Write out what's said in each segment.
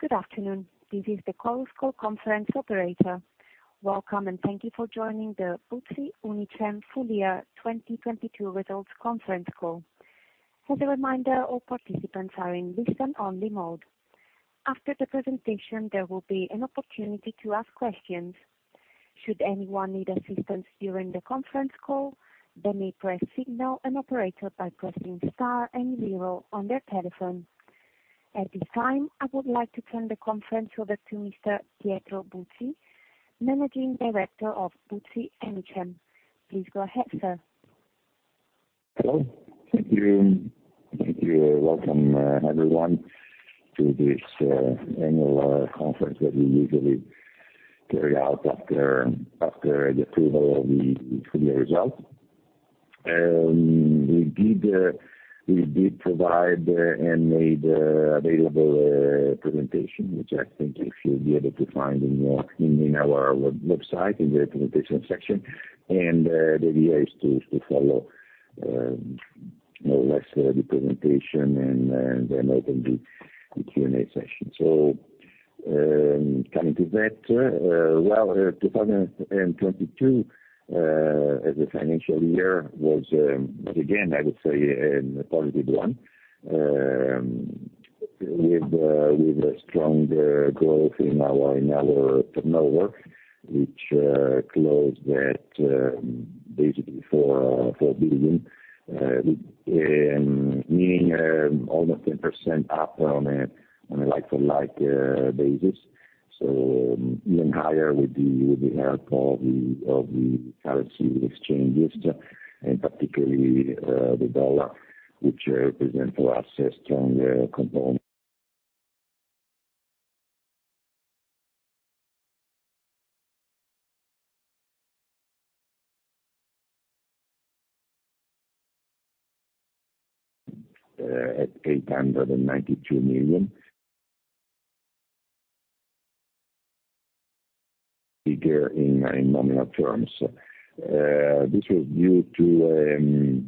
Good afternoon. This is the conference call operator. Welcome. Thank you for joining the Buzzi Unicem full year 2022 results conference call. As a reminder, all participants are in listen only mode. After the presentation, there will be an opportunity to ask questions. Should anyone need assistance during the conference call, they may press signal an operator by pressing star and 0 on their telephone. At this time, I would like to turn the conference over to Mr. Pietro Buzzi, Managing Director of Buzzi Unicem. Please go ahead, sir. Hello. Thank you. Thank you. Welcome, everyone, to this annual conference that we usually carry out after the approval of the full year results. We did provide and made available presentation, which I think you should be able to find in your in our web, website, in the presentation section. The idea is to follow more or less the presentation and then open the Q&A session. Coming to that, 2022 as a financial year was a positive one with a stronger growth in our turnover, which closed at basically 4 billion with meaning almost 10% up on a like-to-like basis. Even higher with the help of the currency exchanges, and particularly, the dollar, which represent for us a stronger component. At EUR 892 million, figure in nominal terms. This was due to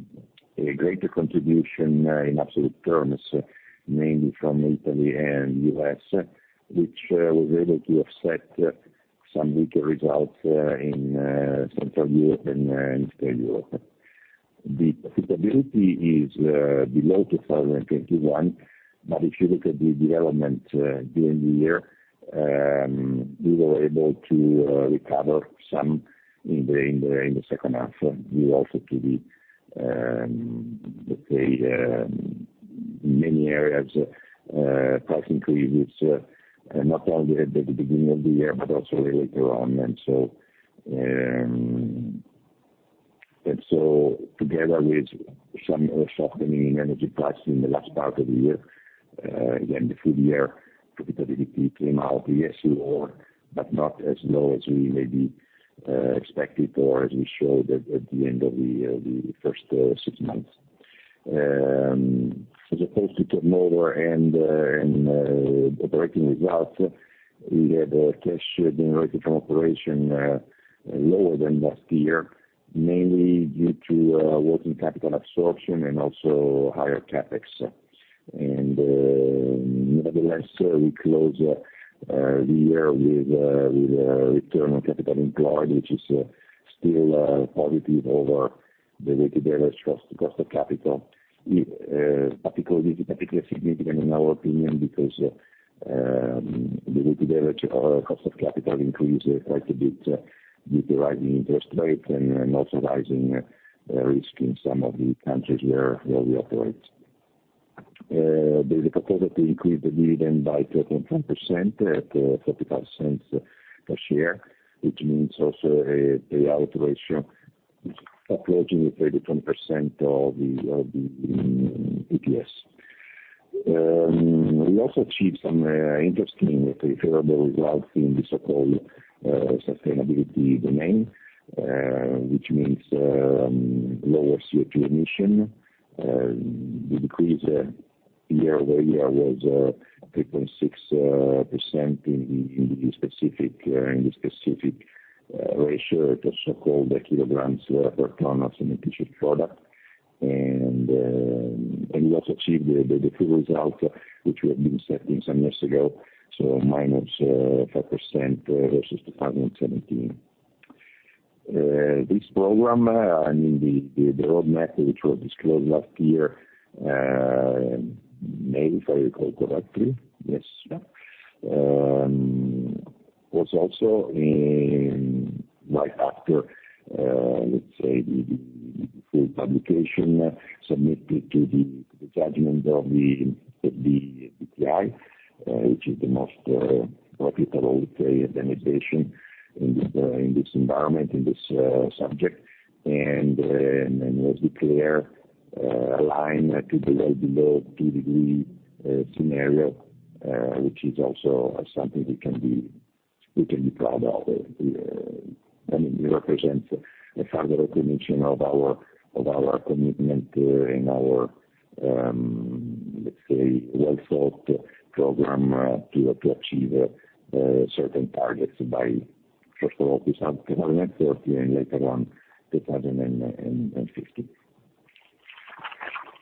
a greater contribution in absolute terms, mainly from Italy and U.S., which was able to offset some weaker results in Central Europe and Eastern Europe. The profitability is below 2021. If you look at the development during the year, we were able to recover some in the second half due also to the, let's say, many areas, price increase, not only at the beginning of the year, but also later on. Together with some softening in energy prices in the last part of the year, again, the full year profitability came out yes, lower, but not as low as we maybe expected or as we showed at the end of the first 6 months. As opposed to turnover and operating results, we had cash generated from operation lower than last year, mainly due to working capital absorption and also higher CapEx. Nevertheless, we closed the year with Return on Capital Employed, which is still positive over the Weighted Average Cost of Capital. We particularly significant in our opinion because the Weighted Average Cost of Capital increased quite a bit with the rising interest rates and also rising risk in some of the countries where we operate. The board of directors approved the dividend by 13% at 0.45 per share, which means also a payout ratio approaching roughly 20% of the EPS. We also achieved some interesting preferable results in the so-called sustainability domain, which means lower CO2 emission. The decrease year-over-year was 3.6% in the specific ratio, the so-called kilograms per ton of synthetic product. We also achieved the full result which we have been setting some years ago, so minus 5% versus 2017. This program, I mean the roadmap which was disclosed last year, may if I recall correctly, yes, was also right after, let's say, the full publication submitted to the judgment of the SBTi, which is the most reputable, let's say, denomination in this environment, in this subject. Was declared aligned to below 2-degree scenario, which is also something we can be proud of. I mean, it represents a further recognition of our commitment, in our, let's say, well thought program, to achieve certain targets by first of all, this half and later on 2050.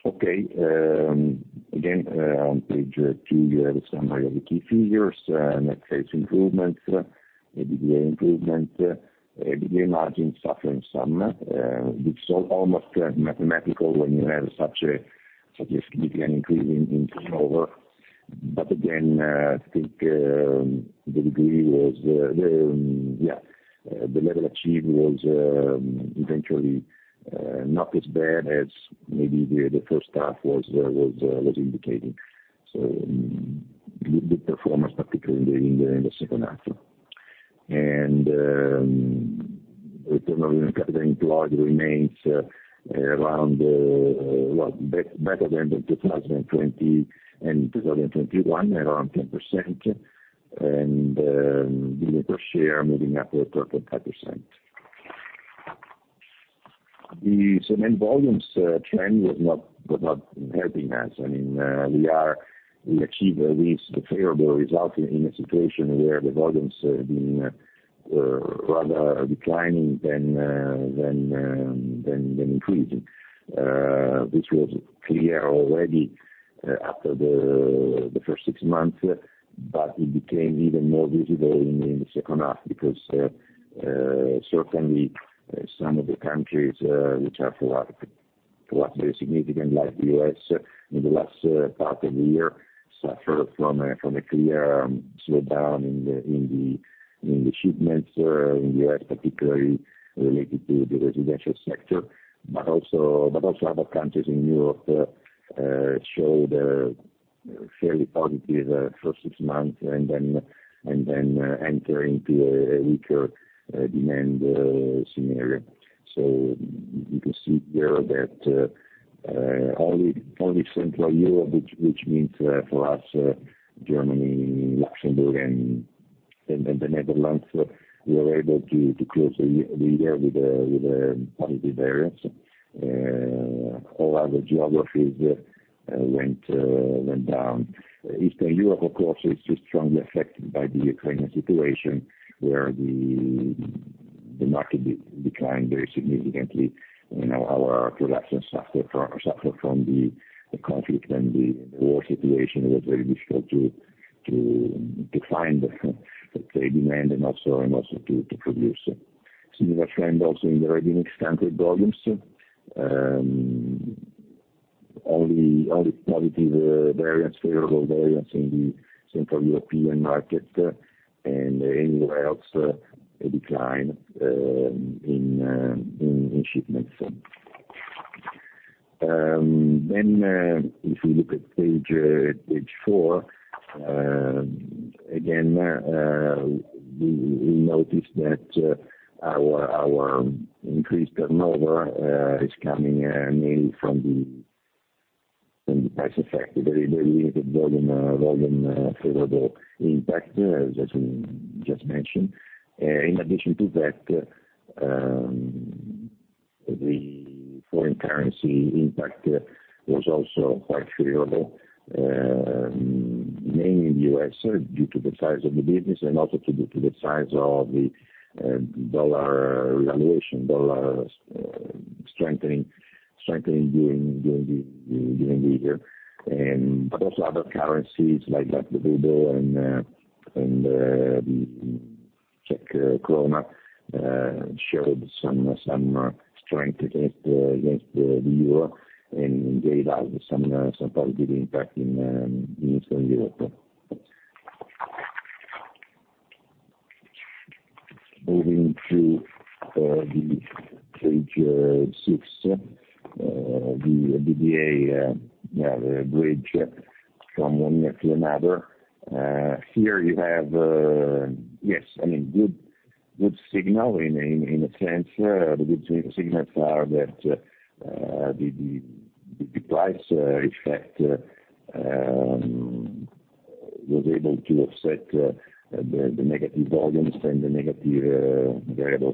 Okay. Again, on page 2, the summary of the key figures. Net sales improvement, EBITDA improvement. EBITDA margin suffering some, it's almost mathematical when you have such a significant increase in turnover. Again, I think the degree was, yeah. The level achieved was eventually not as bad as maybe the first half was indicating. Good performance, particularly in the second half. Return on Capital Employed remains around better than in 2020 and 2021, around 10%. The net per share moving up to 12.5%. The cement volumes trend was not helping us. I mean, We achieved at least a favorable result in a situation where the volumes are being rather declining than increasing. This was clear already after the first 6 months, but it became even more visible in the second half because certainly some of the countries which are for us very significant, like the U.S., in the last part of the year, suffer from a clear slowdown in the shipments in the U.S., particularly related to the residential sector. Also other countries in Europe showed a fairly positive first 6 months and then enter into a weaker demand scenario. You can see here that only Central Europe, which means for us Germany, Luxembourg and the Netherlands, we were able to close the year with a positive variance. All other geographies went down. Eastern Europe, of course, is strongly affected by the Ukrainian situation, where the market declined very significantly. Our production suffered from the conflict and the war situation. It was very difficult to find, let's say, demand and also to produce. Similar trend also in the ready-mix concrete volumes. Only positive variance, favorable variance in the Central European market, and anywhere else, a decline in shipments. If you look at page 4, again, we notice that our increased turnover is coming mainly from the price effect, very, very little volume favorable impact, as we just mentioned. In addition to that, the foreign currency impact was also quite favorable, mainly in the US, due to the size of the business and also due to the size of the dollar revaluation, dollar strengthening during the year. Also other currencies like the ruble and the Czech koruna showed some strength against the euro and they allowed some positive impact in Eastern Europe. Moving to page 6. The EBITDA, the bridge from one year to another. Here you have, I mean, good signal in a sense. The good signal are that the price effect was able to offset the negative volumes and the negative variable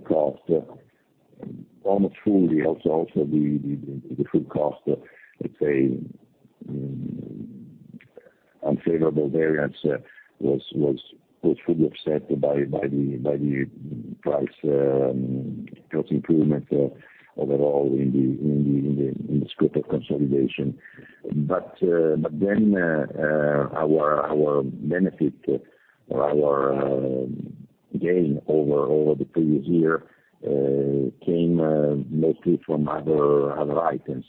cost. Almost fully also the food cost, let's say, unfavorable variance was fully offset by the price cost improvement overall in the scope of consolidation. Our benefit or our gain over the previous year came mostly from other items.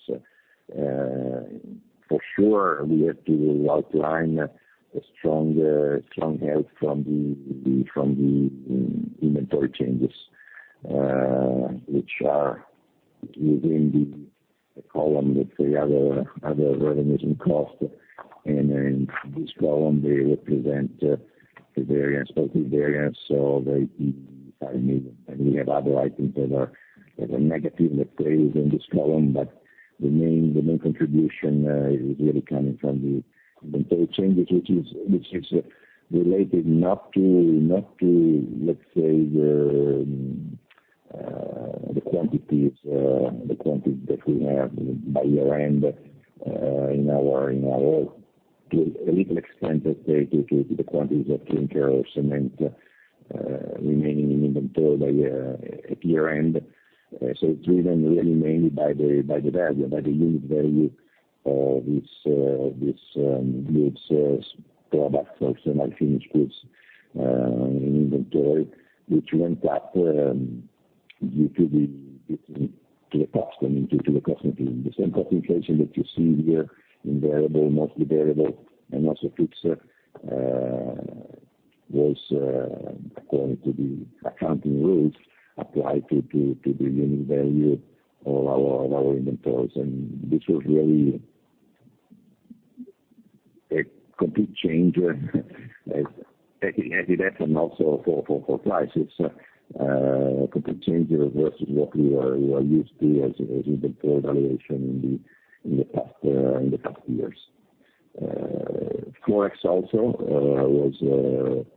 For sure, we have to outline a strong help from the inventory changes, which are within the column, let's say Other variable costs. In this column, they represent the variance, positive variance. They, I mean, we have other items that are negative that plays in this column, but the main contribution is really coming from the inventory changes, which is related not to, let's say, the quantity that we have by year-end. In our, to a little extent, let's say, due to the quantities of clinker or cement remaining in inventory at year-end. Driven really mainly by the value, by the unit value of this goods, product or semi-finished goods in inventory, which went up due to the cost, I mean, due to the cost increase. The same cost inflation that you see here in variable, mostly variable, and also fixed, was according to the accounting rules applied to the unit value of our inventories. This was really a complete change as at EDF and also for prices. complete change versus what we were used to as inventory valuation in the past years. Forex also was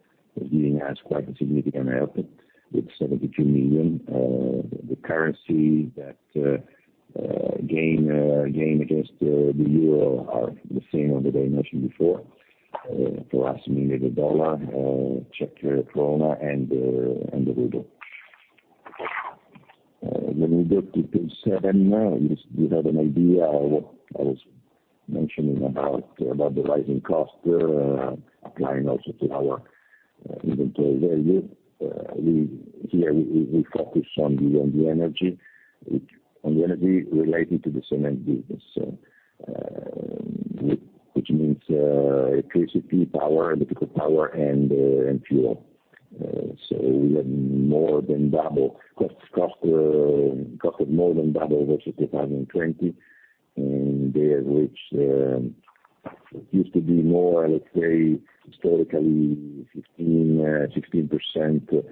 giving us quite a significant output with 72 million. The currency that gain against the euro are the same that I mentioned before. For us, mainly the dollar, Czech koruna, and the ruble. When we go to page 7, you have an idea of what I was mentioning about the rising cost, applying also to our inventory value. We, here we focus on the energy relating to the cement business. Which means electricity, power, electrical power, and fuel. We have more than double cost of more than double versus 2020. There, which used to be more, let's say, historically 15%, 16%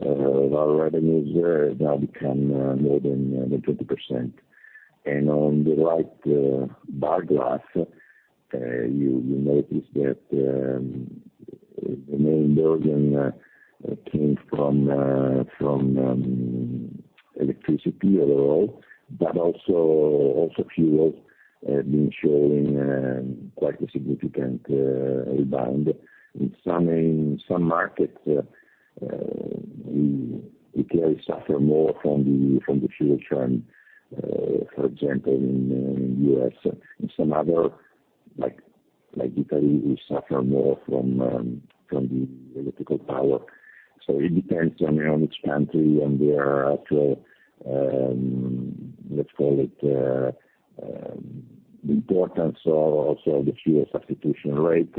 of our revenues, now become more than 20%. On the right, bar graph, you notice that the main burden came from electricity overall, but also fuels, been showing quite a significant rebound. In some markets, we, Italy suffer more from the fuel trend, for example, in U.S. In some other, like Italy, we suffer more from the electrical power. It depends on each country and their, let's call it, the importance or also the fuel substitution rate.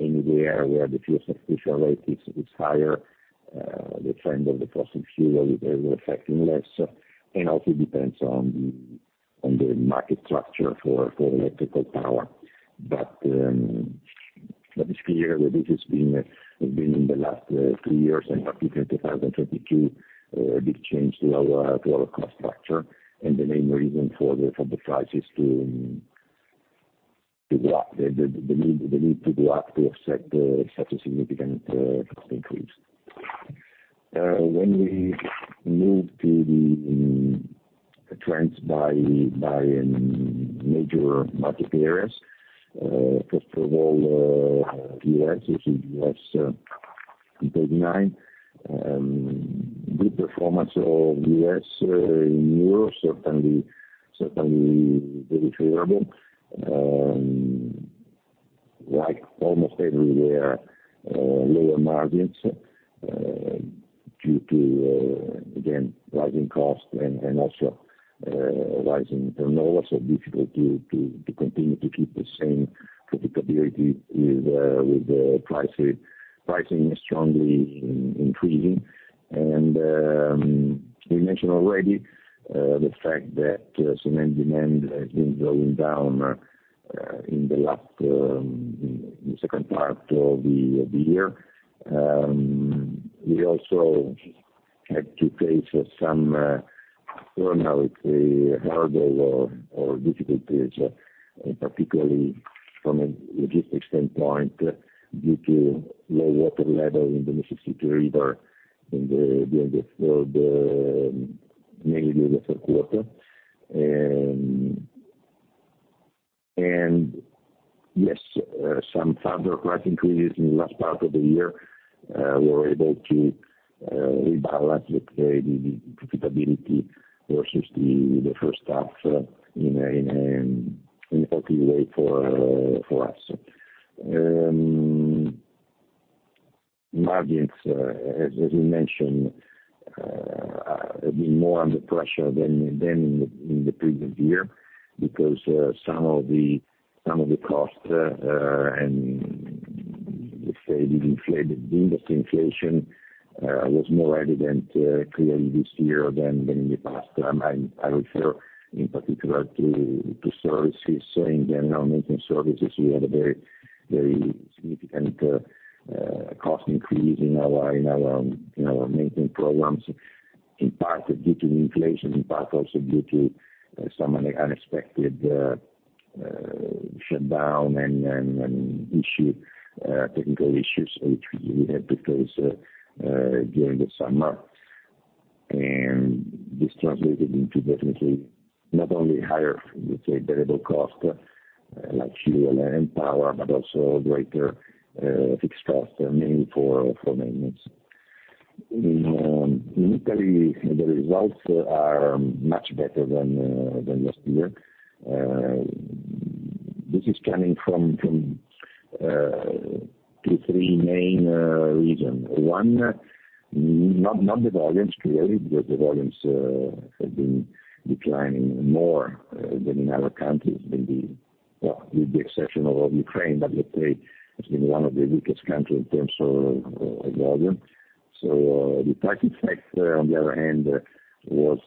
Anywhere where the fuel substitution rate is higher, the trend of the cost of fuel is affecting less. Also depends on the market structure for electrical power. It's clear that this has been in the last three years, and particularly 2022, a big change to our cost structure. The main reason for the prices to go up. The need to go up to offset such a significant cost increase. When we move to the trends by major market areas. First of all, US, which is US in page 9. Good performance of US in EUR, certainly very favorable. Like almost everywhere, lower margins due to again, rising costs and also rising turnover, so difficult to continue to keep the same profitability with pricing strongly increasing. We mentioned already, the fact that cement demand has been going down in the last in the second part of the year. We also had to face some I don't know, let's say, hurdles or difficulties, particularly from a logistics standpoint, due to low water level in the Mississippi River in the during the mainly the Q3. Yes, some further price increases in the last part of the year, we were able to rebalance the profitability versus the first half in a positive way for us. Margins as we mentioned have been more under pressure than in the previous year. Some of the costs and let's say the industry inflation was more evident clearly this year than in the past. I refer in particular to services. In the maintenance services, we had a very significant cost increase in our maintenance programs. In part due to the inflation, in part also due to some of the unexpected shutdown and issue, technical issues which we had to face during the summer. This translated into definitely not only higher, let's say, variable cost, like fuel and power, but also greater fixed cost, mainly for maintenance. In Italy, the results are much better than last year. This is coming from two, three main reasons. One, not the volumes, clearly, because the volumes have been declining more than in other countries, well, with the exception of Ukraine. Ukraine has been one of the weakest country in terms of volume. The pricing effect, on the other hand, was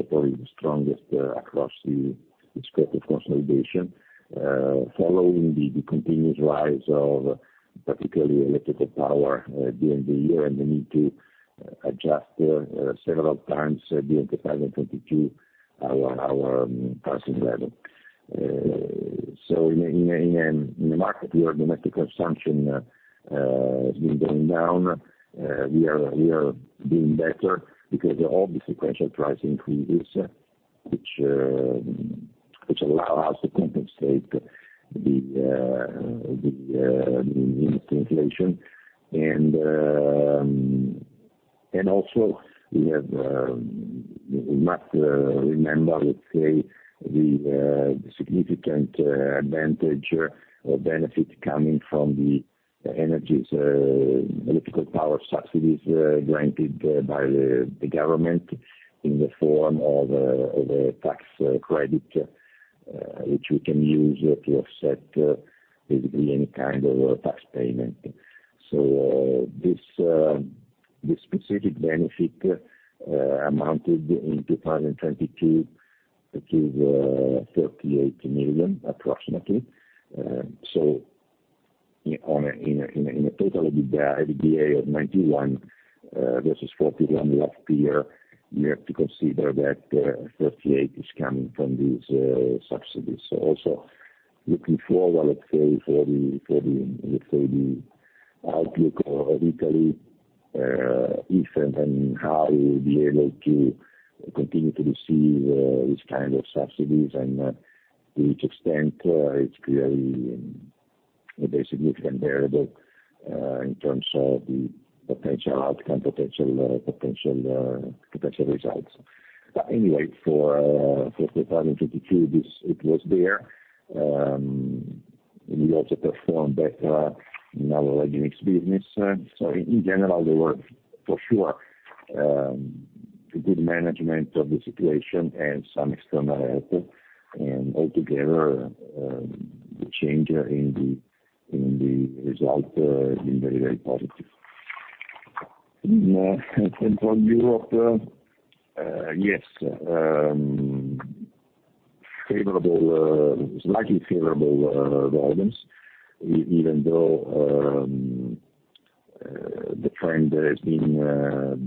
probably the strongest across the scope of consolidation, following the continuous rise of particularly electrical power during the year, and the need to adjust several times during 2022 our pricing level. In a, in a, in a market where domestic consumption has been going down, we are doing better because of all the sequential price increases which allow us to compensate the inflation. Also we have, we must remember, let's say, the significant advantage or benefit coming from the energies, electrical power subsidies, granted by the government in the form of a tax credit, which we can use to offset basically any kind of tax payment. This specific benefit amounted in 2022 to EUR 38 million approximately. On a in a, in a, in a total EBITDA of 91 versus 41 last year, you have to consider that 38 is coming from these subsidies. Also looking forward, let's say, for the, for the, let's say, the outlook of Italy, if and how we will be able to continue to receive this kind of subsidies and to which extent, it's clearly a very significant variable in terms of the potential outcome, potential, potential results. Anyway, for 2022, it was there. We also performed better in our logistics business. In, in general, there were for sure a good management of the situation and some external help. Altogether, the change in the, in the result has been very, very positive. In Central Europe. Yes, favorable, slightly favorable, volumes even though the trend has been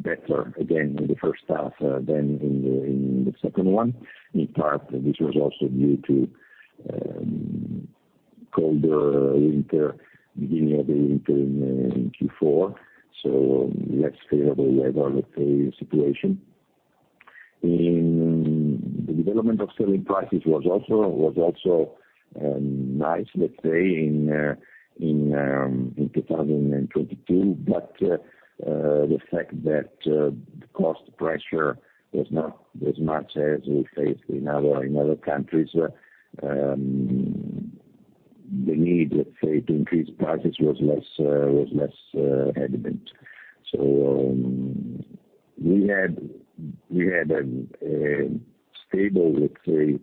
better again in the first half than in the second one. In part, this was also due to colder winter, beginning of the winter in Q4, so less favorable weather, let's say situation. In the development of selling prices was also nice, let's say in 2022. The fact that the cost pressure was not as much as we faced in other countries, the need, let's say, to increase prices was less evident. We had a stable, let's say,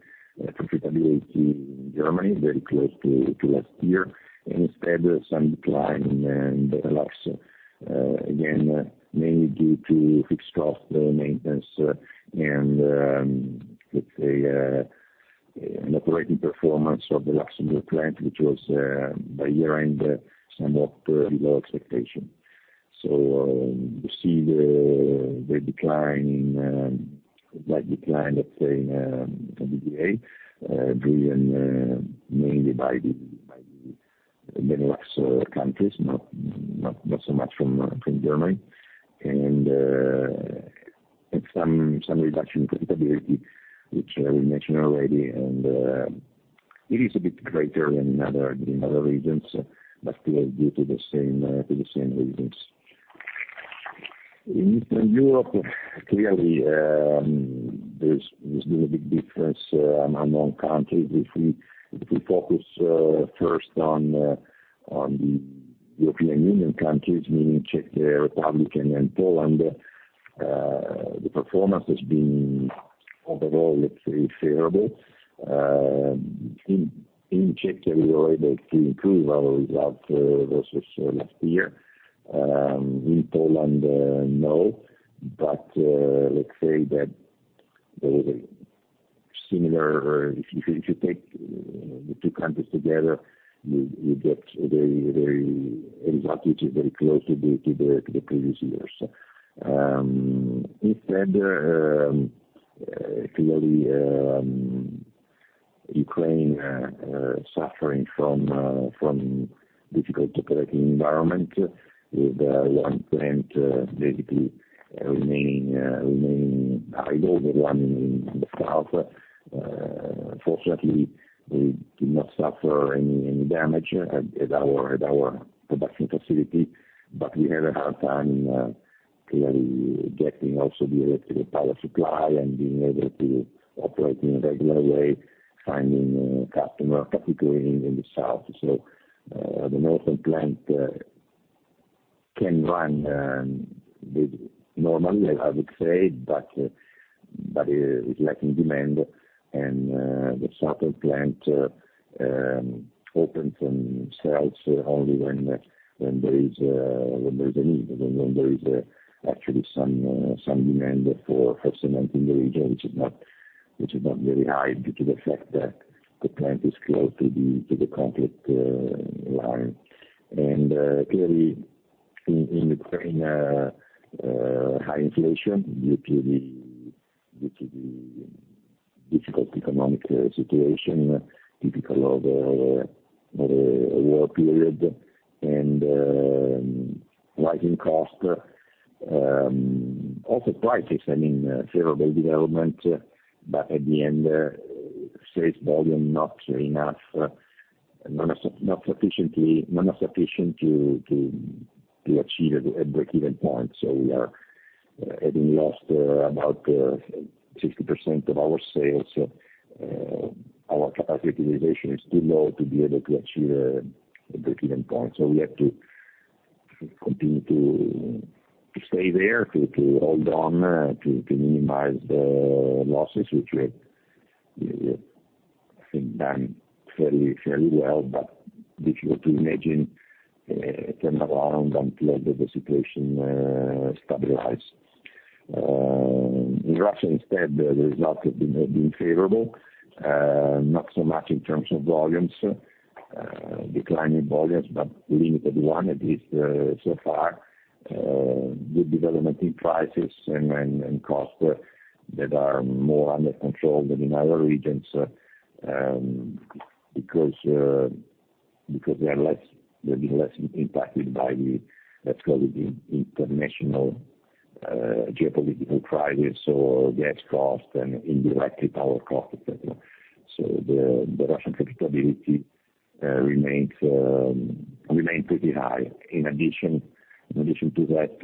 profitability in Germany, very close to last year, and instead some decline in the Benelux, again, mainly due to fixed cost maintenance and, let's say, an operating performance of the Luxembourg plant, which was by year-end, somewhat below expectation. You see the decline in wide decline, let's say, in EBITDA, driven mainly by the Benelux countries, not so much from Germany. Some reduction in profitability, which I will mention already. It is a bit greater than in other regions, but still due to the same reasons. In Eastern Europe, clearly, there's been a big difference among countries. If we, if we focus first on the European Union countries, meaning Czech Republic and Poland, the performance has been overall, let's say, favorable. In Czech we were able to improve our results versus last year. In Poland, no, but, let's say that there is a similar or if you, if you take the two countries together, you get a very, very, a result which is very close to the previous years. Instead, clearly, Ukraine suffering from difficult operating environment. With one plant basically remaining idle. The one in the south. Fortunately, we did not suffer any damage at our production facility. We had a hard time, clearly getting also the electrical power supply and being able to operate in a regular way, finding customer, particularly in the south. The northern plant can run with normally, I would say. With lacking demand and the southern plant open from sales only when there is a need. When there is actually some demand for cement in the region, which is not very high, due to the fact that the plant is close to the to the conflict line. Clearly in Ukraine high inflation due to the due to the difficult economic situation, typical of a war period. Rising cost, also prices, I mean, favorable development, but at the end, sales volume not enough, not sufficient to achieve a breakeven point. We are having lost about 60% of our sales. Our capacity utilization is too low to be able to achieve a breakeven point. We have to continue to stay there, to hold on, to minimize the losses. Which we, I think, done fairly well. Difficult to imagine a turnaround until the situation stabilize. In Russia instead, the result has been favorable. Not so much in terms of volumes. Declining volumes, but limited one, at least, so far. Good development in prices and costs that are more under control than in other regions. Because they are less, they've been less impacted by the, let's call it, the international, geopolitical crisis or gas cost and indirectly power cost, et cetera. The Russian profitability remains pretty high. In addition to that,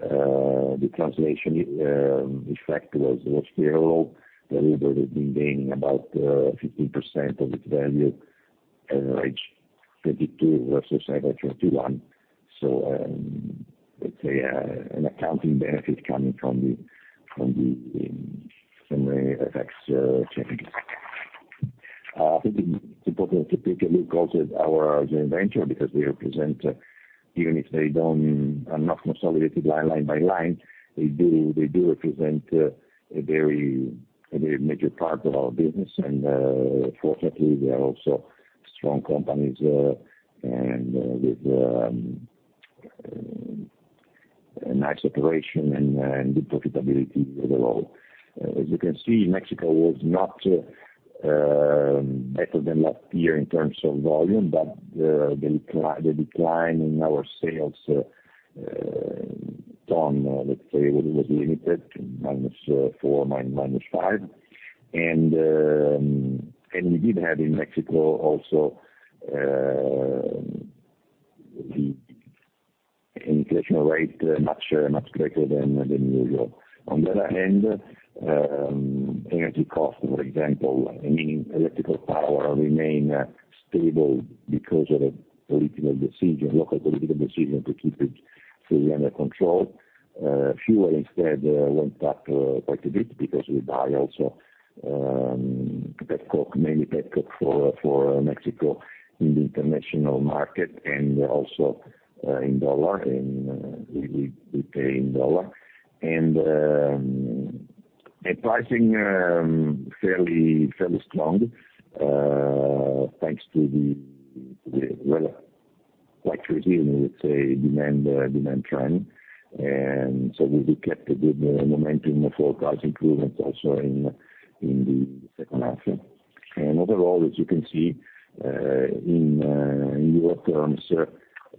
the translation effect was favorable. The ruble has been gaining about 15% of its value, H22 versus H21. Let's say, an accounting benefit coming from the FX changes. I think it's important to take a look also at our joint venture. They represent, even if they don't. Are not consolidated line by line, they do represent a very, a very major part of our business. Fortunately, they are also strong companies and with a nice operation and good profitability overall. As you can see, Mexico was not better than last year in terms of volume. The decline in our sales ton let's say, was limited to minus 4, minus 5. We did have in Mexico also the inflation rate much, much greater than in Europe. On the other hand, energy cost, for example, I mean, electrical power remain stable because of a political decision, local political decision to keep it fully under control. Fuel instead went up quite a bit because we buy also petcoke, mainly petcoke for Mexico in the international market, and also in dollar. We pay in dollar. Pricing fairly strong thanks to the weather. Quite resilient, let's say, demand trend. We do kept a good momentum of our price improvement also in the second half. Overall, as you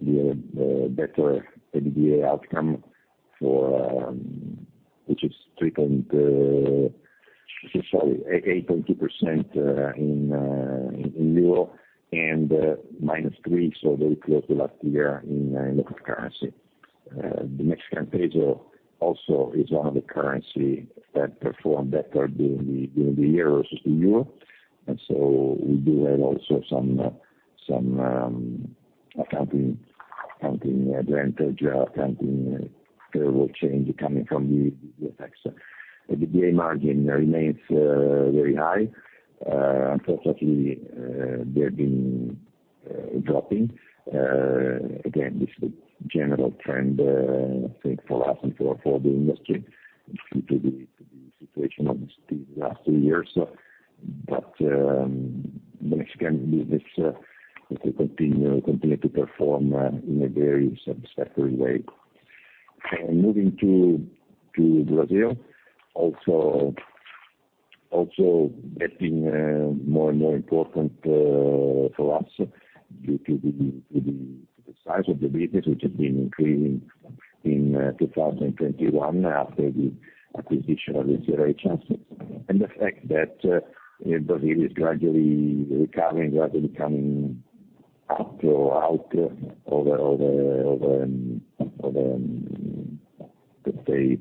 can see, in Euro terms, the better EBITDA outcome for. Which is 8.2% in EUR. Minus 3%, so very close to last year in local currency. The Mexican Peso also is one of the currency that performed better during the year versus the Euro. We do have also some accounting advantage, accounting favorable change coming from the FX. EBITDA margin remains very high. Unfortunately, they've been dropping. Again, this is a general trend, I think for us and for the industry due to the situation obviously the last 2 years. The Mexican business continue to perform in a very satisfactory way. Moving to Brazil, also getting more and more important for us due to the size of the business, which has been increasing in 2021 after the acquisition of and the fact that Brazil is gradually recovering, gradually coming up or out of a, let's say,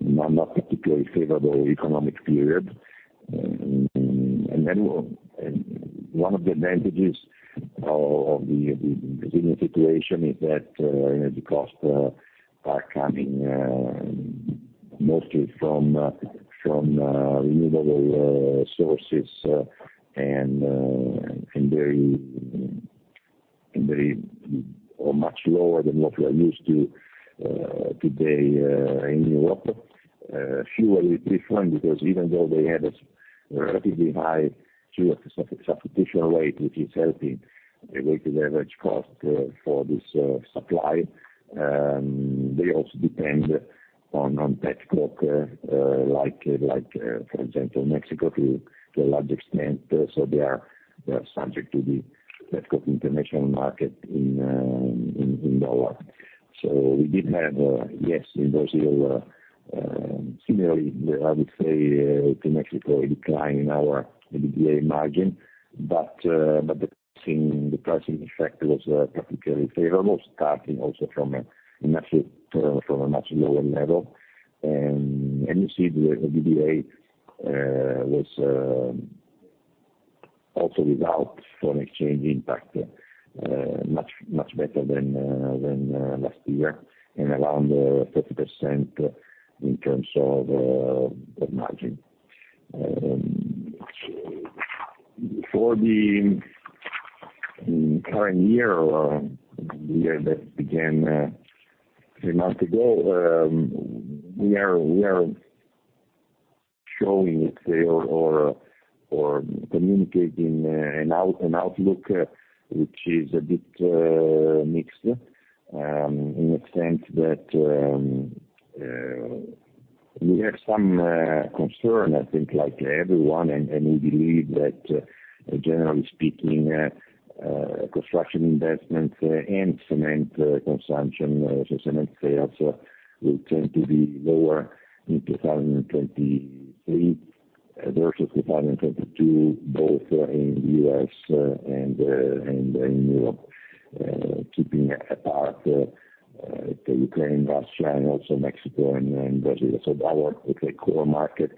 no, not particularly favorable economic period. One of the advantages of the Brazilian situation is that energy costs are coming mostly from renewable sources and very, or much lower than what we are used to today in Europe. Fuel is different because even though they had a relatively high fuel substitution rate, which is helping the weighted average cost for this supply, they also depend on petcoke, for example, Mexico to a large extent. They are subject to the petcoke international market in USD. We did have, yes, in Brazil, similarly, I would say, to Mexico, a decline in our EBITDA margin. The pricing effect was particularly favorable, starting also from a much lower level. You see the EBITDA was also without foreign exchange impact much better than last year, and around 30% in terms of margin. For the current year, the year that began 3 months ago, we are showing, let's say, or communicating an outlook, which is a bit mixed, in the sense that we have some concern, I think, like everyone. We believe that generally speaking, construction investments and cement consumption, so cement sales, will tend to be lower in 2023 versus 2022, both in U.S. and in Europe, keeping apart the Ukraine, Russia, and also Mexico and Brazil. Our, let's say, core markets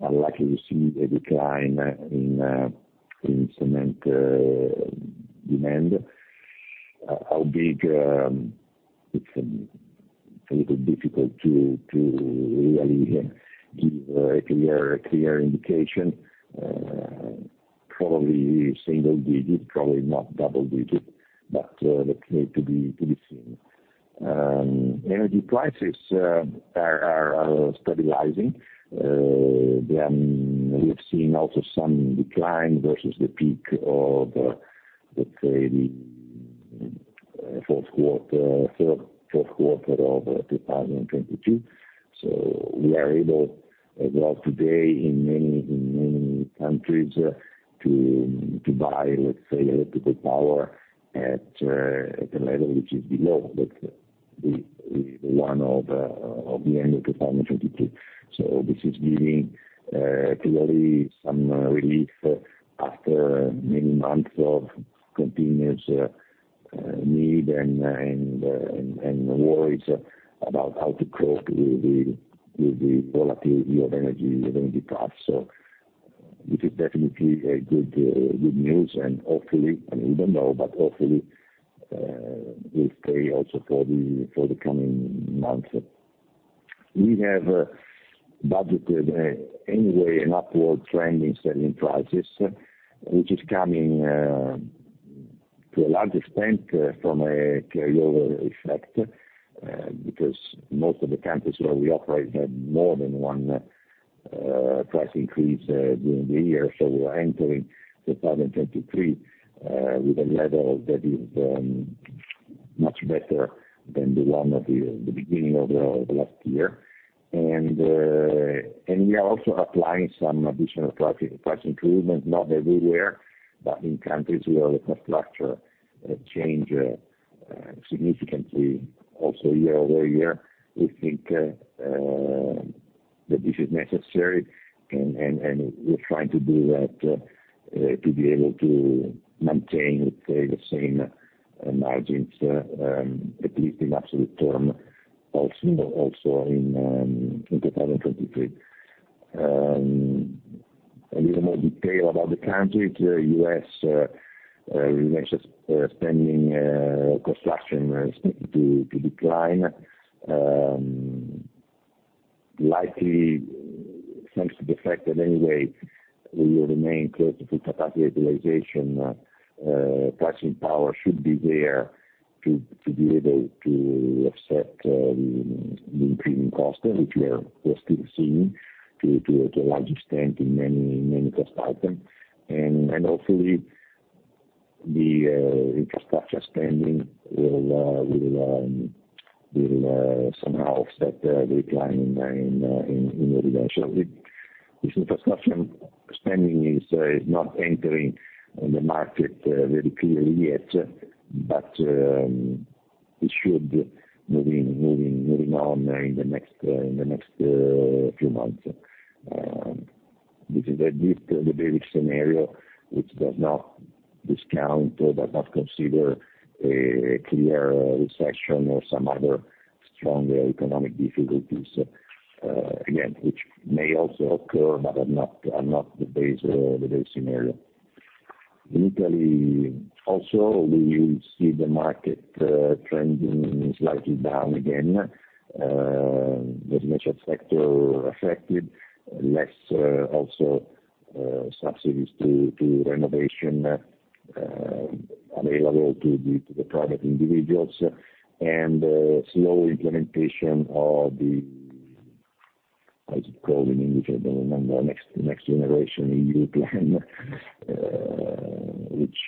are likely to see a decline in cement demand. How big? It's a little difficult to really give a clear indication. Probably single digits, probably not double digits. That need to be seen. Energy prices are stabilizing. We have seen also some decline versus the peak of, let's say, the third, Q4 of 2022. We are able, well, today, in many countries to buy, let's say, electrical power at a level which is below the one of the end of 2022. This is giving, clearly some relief after many months of continuous need and worries about how to cope with the volatility of energy costs. This is definitely a good news. Hopefully, and we don't know, but hopefully, will pay also for the coming months. We have budgeted, anyway, an upward trend in selling prices, which is coming, to a large extent, from a carryover effect, because most of the countries where we operate had more than 1, price increase, during the year. We are entering 2023, with a level that is, much better than the one of the beginning of the last year. We are also applying some additional price improvement, not everywhere, but in countries where the cost structure, change, significantly also year-over-year. We think that this is necessary, and we're trying to do that to be able to maintain, let's say, the same margins, at least in absolute term also in 2023. A little more detail about the countries. U.S., we mentioned spending, construction is going to decline, likely thanks to the fact that anyway we will remain close to full capacity utilization. Pricing power should be there to be able to offset the increasing costs, which we are still seeing to a large extent in many cost items. Hopefully, the infrastructure spending will somehow offset the decline in original. The, this infrastructure spending is not entering the market very clearly yet, but it should moving on in the next few months. This is the brief scenario which does not discount or does not consider a clear recession or some other stronger economic difficulties again, which may also occur but are not the base scenario. In Italy also, we will see the market trending slightly down again. The commercial sector affected, less, also, subsidies to renovation, available to the private individuals and slow implementation of the how is it called in English? I don't remember. NextGenerationEU plan, which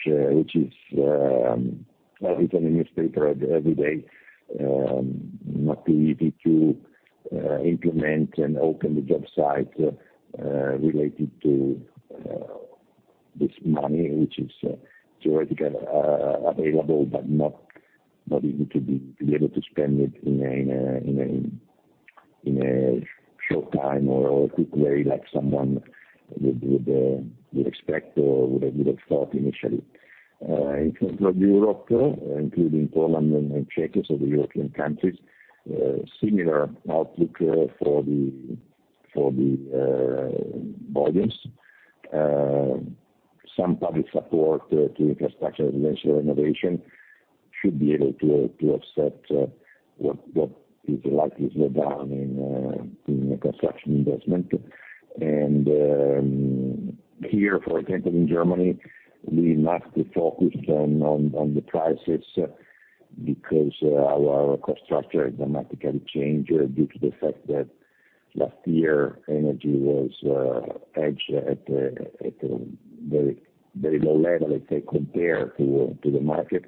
is, I read a newspaper every day, not too easy to implement and open the job site related to this money, which is theoretically available, but not easy to be able to spend it in a short time or quick way like someone would expect or would have thought initially. In terms of Europe, including Poland and Czechia, so the European countries, similar outlook for the volumes. Some public support to infrastructure residential renovation should be able to offset what is likely to go down in construction investment. Here, for example, in Germany, we must be focused on the prices because our cost structure dramatically changed due to the fact that last year energy was hedged at a very, very low level, let's say, compared to the market.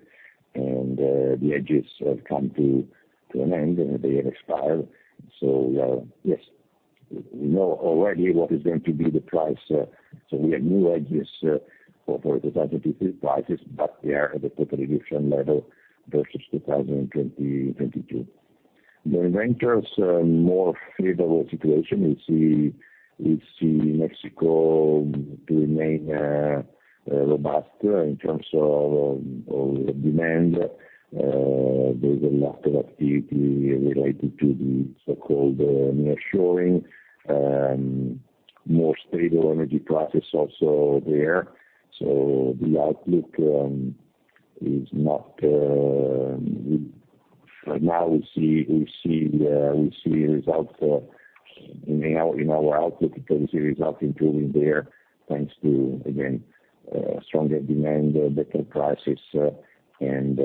The hedges have come to an end, and they have expired. Yes, we know already what is going to be the price. We have new hedges for the 2023 prices, but they are at a total different level versus 2022. The Americas, a more favorable situation. We see Mexico to remain robust in terms of demand. There's a lot of activity related to the so-called nearshoring. More stable energy prices also there. The outlook is not. For now we see results in our outlook, we can see results improving there, thanks to, again, stronger demand, better prices, and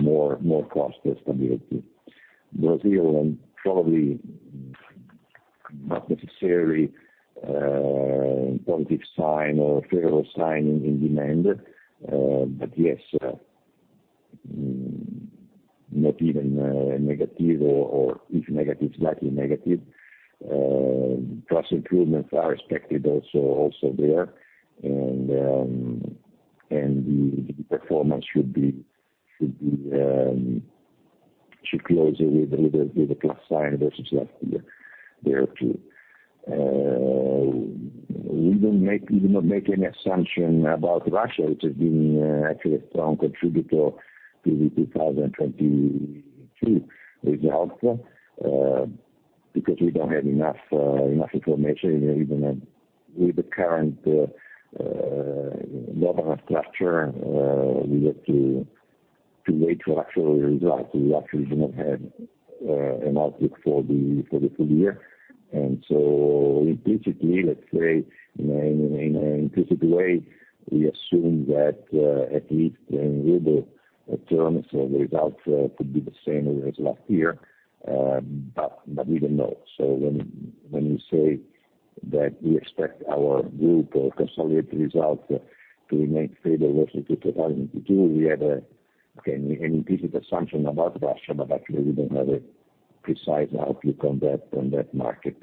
more cost stability. Brazil, probably not necessary positive sign or favorable sign in demand. Yes, not even negative or if negative, slightly negative. Price improvements are expected also there. The performance should be should close with a plus sign versus last year there too. We do not make any assumption about Russia, which has been actually a strong contributor to the 2022 results, because we don't have enough information. Even with the current government structure, we have to wait for actual results. We actually do not have an outlook for the full year. implicitly, let's say, in an implicit way, we assume that at least in ruble terms, the results could be the same as last year. We don't know. When we say that we expect our group or consolidated results to remain favorable versus 2022, we have again an implicit assumption about Russia, but actually we don't have a precise outlook on that market.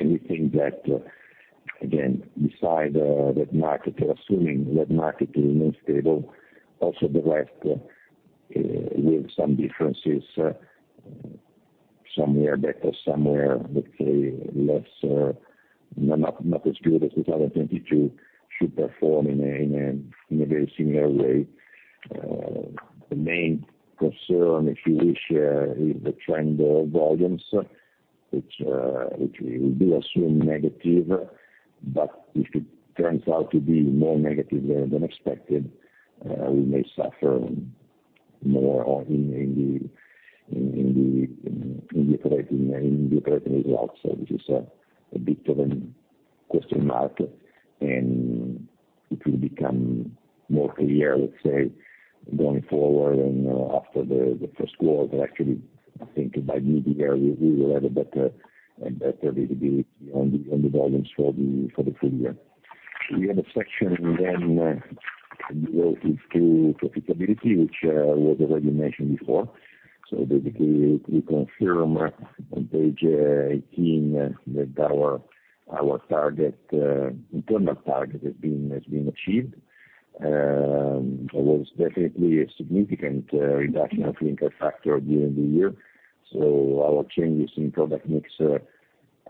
We think that, again, beside that market, assuming that market remains stable, also the rest, with some differences, some year better, some year, let's say, less, not as good as 2022, should perform in a very similar way. The main concern, if you wish, is the trend of volumes, which we do assume negative, if it turns out to be more negative than expected, we may suffer more in the operating results. This is a bit of a question mark, it will become more clear, let's say, going forward after the Q1. Actually, I think by midyear we will have a better visibility on the volumes for the full year. We have a section then related to profitability, which was already mentioned before. Basically, we confirm on page 18 that our target internal target has been achieved. There was definitely a significant reduction of clinker factor during the year. Our changes in product mix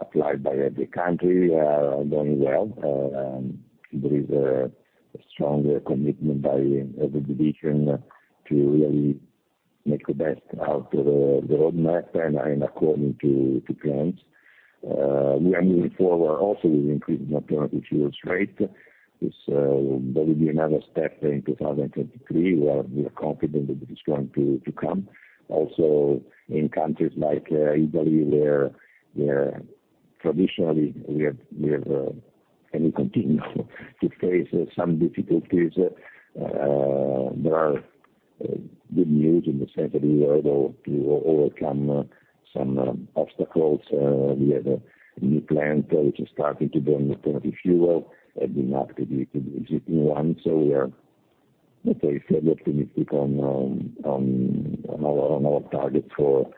applied by every country are going well. There is a stronger commitment by every division to really make the best out of the roadmap and according to plans. We are moving forward also with increased alternative fuel rate. There will be another step in 2023. We are confident that it is going to come. In countries like Italy, where traditionally we have and we continue to face some difficulties, there are good news in the sense that we are able to overcome some obstacles. We have a new plant which is starting to burn alternative fuel, adding up to the existing one. We are, let's say, fairly optimistic on our target for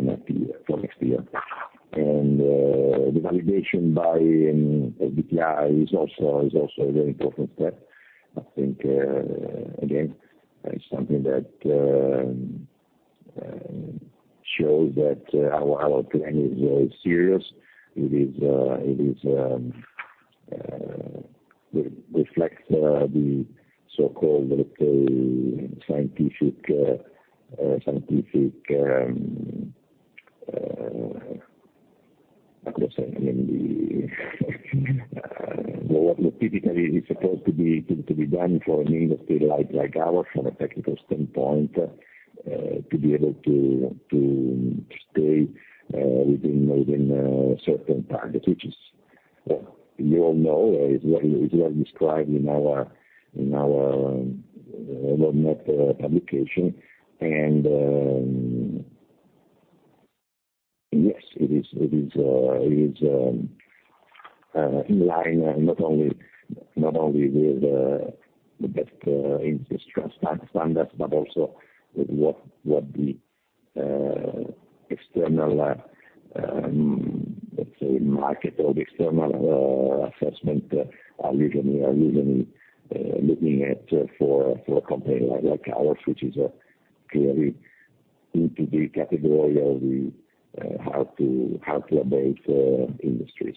next year. The validation by SBTi is also a very important step. I think again, it's something that shows that our plan is serious. It reflects the so-called, let's say, scientific scientific how can I say? I mean, the. What typically is supposed to be done for an industry like ours from a technical standpoint, to be able to stay within a certain target, which is, you all know, is what described in our roadmap publication. Yes, it is in line not only with the best industry standards, but also with what the external, let's say, market or the external assessment are usually looking at for a company like ours, which is clearly into the category of the hard to abate industries.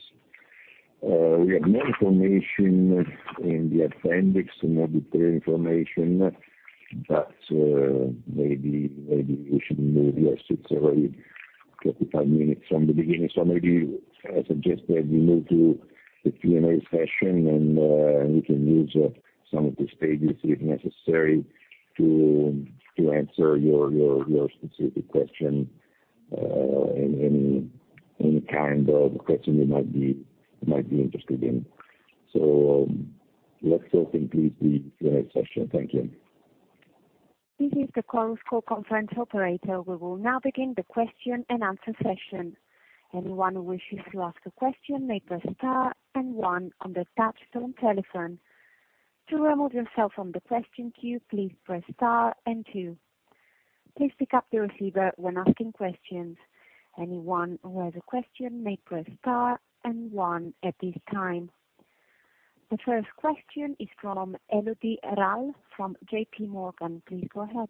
We have more information in the appendix, more detailed information, maybe we should move. It's already 45 minutes from the beginning, maybe I suggest that we move to the Q&A session, and we can use some of these pages, if necessary, to answer your specific question, and any kind of question you might be interested in. Let's open, please, the Q&A session. Thank you. This is the conference call operator. We will now begin the question and answer session. Anyone who wishes to ask a question may press star and one on their touchtone telephone. To remove yourself from the question queue, please press star and two. Please pick up the receiver when asking questions. Anyone who has a question may press star and one at this time. The first question is from Elodie Rall from J.P. Morgan. Please go ahead.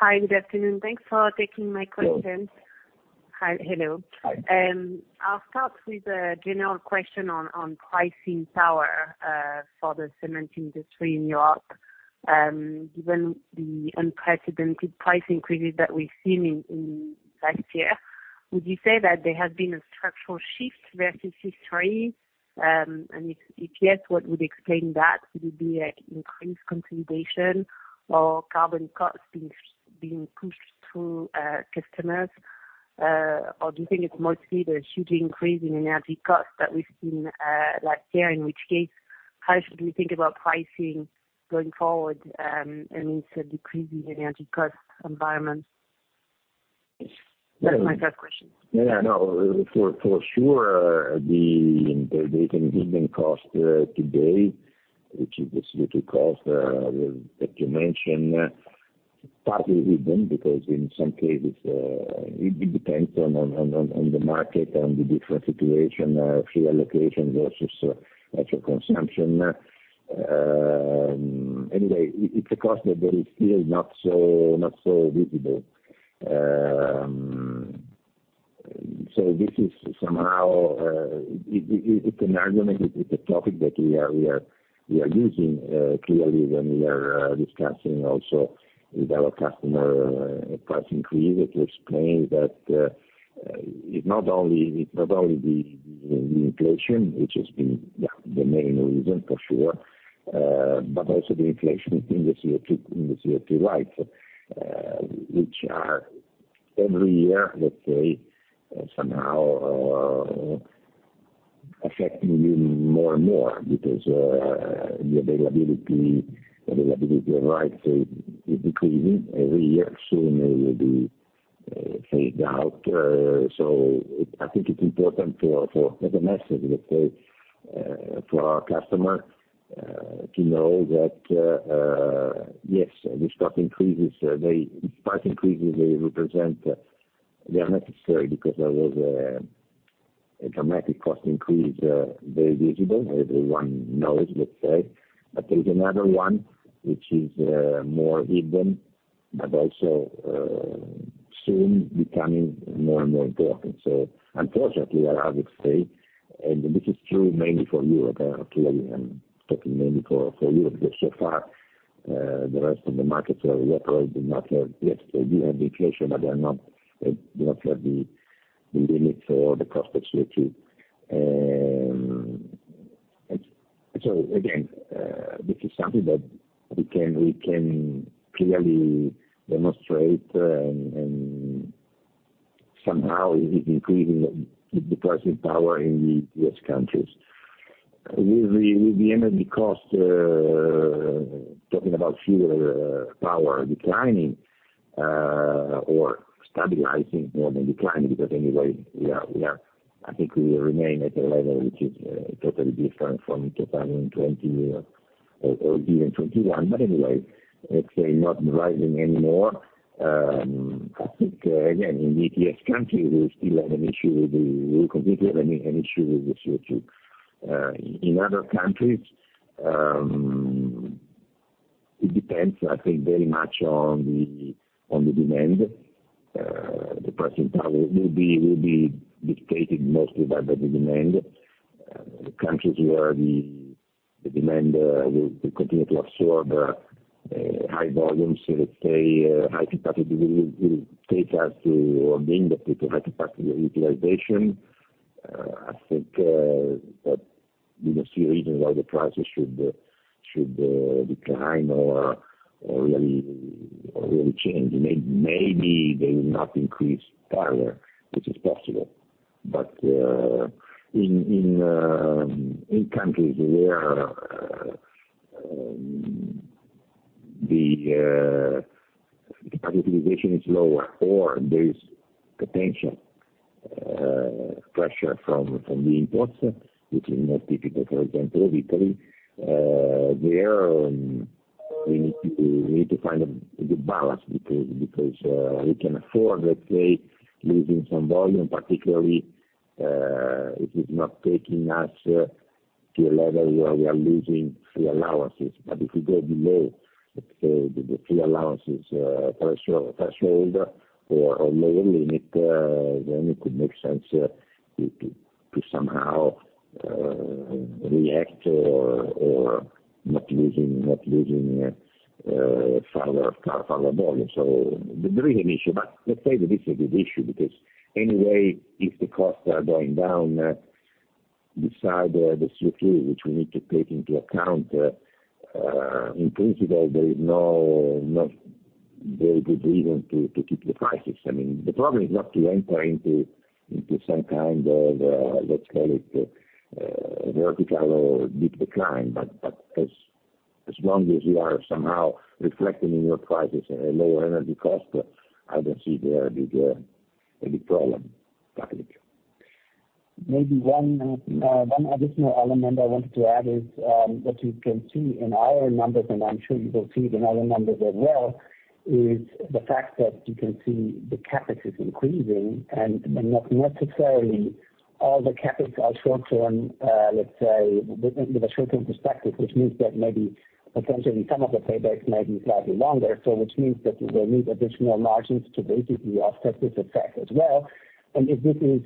Hi, good afternoon. Thanks for taking my question. Hello. Hi. Hello. Hi. I'll start with a general question on pricing power for the cement industry in Europe. Given the unprecedented price increases that we've seen last year, would you say that there has been a structural shift versus history? If yes, what would explain that? Would it be increased consolidation or carbon costs being pushed through customers? Or do you think it's mostly the hugely increase in energy costs that we've seen last year, in which case, how should we think about pricing going forward in this decreasing energy cost environment? That's my first question. Yeah, I know. For sure, the integrated hidden cost today, which is this CO2 cost that you mentioned, partly hidden because in some cases, it depends on the market, on the different situation, few allocations versus actual consumption. Anyway, it's a cost that is still not so visible. an argument, it's a topic that we are using clearly when we are discussing also with our customer price increase to explain that it's not only the inflation, which has been, yeah, the main reason for sure, also the inflation in the CO2, in the CO2 rights, which are every year, let's say, somehow, affecting you more and more because the availability of rights is decreasing every year. Soon it will fade out. It, I think it's important for as a message, let's say, for our customer to know that, yes, this cost increases, This price increases, they represent, they are necessary because there was a dramatic cost increase, very visible. Everyone knows, let's say. There's another one which is more hidden, but also soon becoming more and more important. Unfortunately, I have to say, and this is true mainly for Europe, actually I'm talking mainly for Europe because so far, the rest of the markets are. Europe does not have, yes, they do have inflation, but they do not have the limit for the cost of CO2. Again, this is something that we can clearly demonstrate, somehow is increasing the purchasing power in the U.S. countries. With the energy cost, talking about fuel, power declining, or stabilizing more than declining because anyway, we are. I think we remain at a level which is totally different from 2020 or even 2021. Anyway, let's say not rising anymore. I think again, in the ETS countries, we completely have an issue with the CO2. In other countries, it depends, I think very much on the demand. The pricing power will be dictated mostly by the demand. The countries where the demand will continue to absorb high volumes, so let's say high capacity will take us to or bring the people high capacity utilization. I think that we don't see a reason why the prices should decline or really change. Maybe they will not increase further, which is possible. In countries where the capacity utilization is lower or there is potential pressure from the imports, which is more typical, for example, Italy, there we need to find a good balance because we can afford, let's say, losing some volume, particularly if it's not taking us to a level where we are losing free allowances. If we go below, let's say the free allowances threshold or lower limit, then it could make sense to somehow react or not losing further volume. The driven issue. Let's say that this is a good issue because anyway, if the costs are going down, beside the CO2 which we need to take into account, in principle, there is not very good reason to keep the prices. I mean, the problem is not to enter into some kind of, let's call it, vertical or deep decline. As long as you are somehow reflecting in your prices a lower energy cost, I don't see there any problem, frankly. Maybe one additional element I wanted to add is that you can see in our numbers, and I'm sure you will see it in other numbers as well, is the fact that you can see the CapEx is increasing and not necessarily all the CapEx are short term, let's say with a short term perspective, which means that maybe potentially some of the paybacks may be slightly longer. Which means that we will need additional margins to basically offset this effect as well. If this is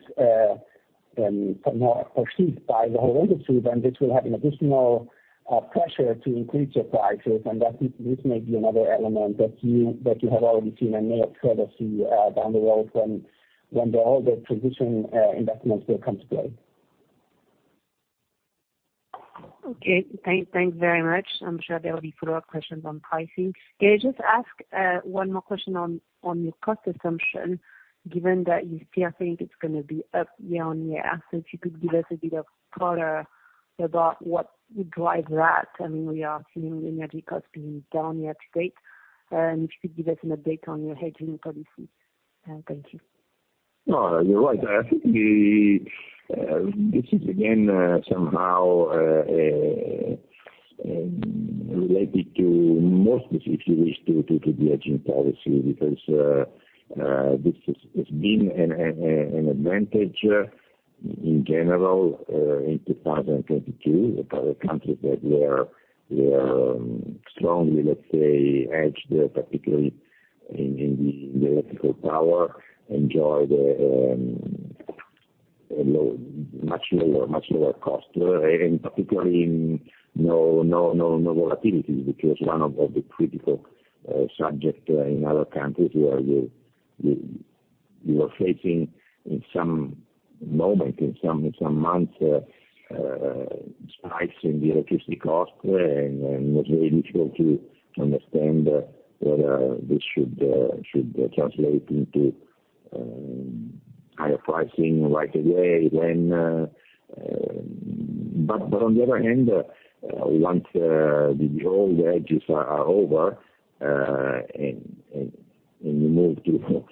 more perceived by the whole industry, then this will have an additional pressure to increase your prices. That this may be another element that you, that you have already seen and may further see down the road when the All the transition investments will come to play. Okay. Thanks very much. I'm sure there will be follow-up questions on pricing. Can I just ask one more question on your cost assumption, given that you still think it's gonna be up year-on-year. If you could give us a bit of color about what would drive that. I mean, we are seeing the energy costs being down year-to-date. If you could give us an update on your hedging policies. Thank you. No, you're right. I think the, this is again, somehow, related to mostly, if you wish to the hedging policy, because It's been an advantage in general in 2022. The countries that were strongly, let's say, hedged, particularly in the electrical power, enjoyed a low, much lower cost, and particularly in no volatility, which was one of the critical subject in other countries where you were facing in some moment, in some months, spikes in the electricity cost. It was very difficult to understand whether this should translate into higher pricing right away. On the other hand, once the all the edges are over, and you move to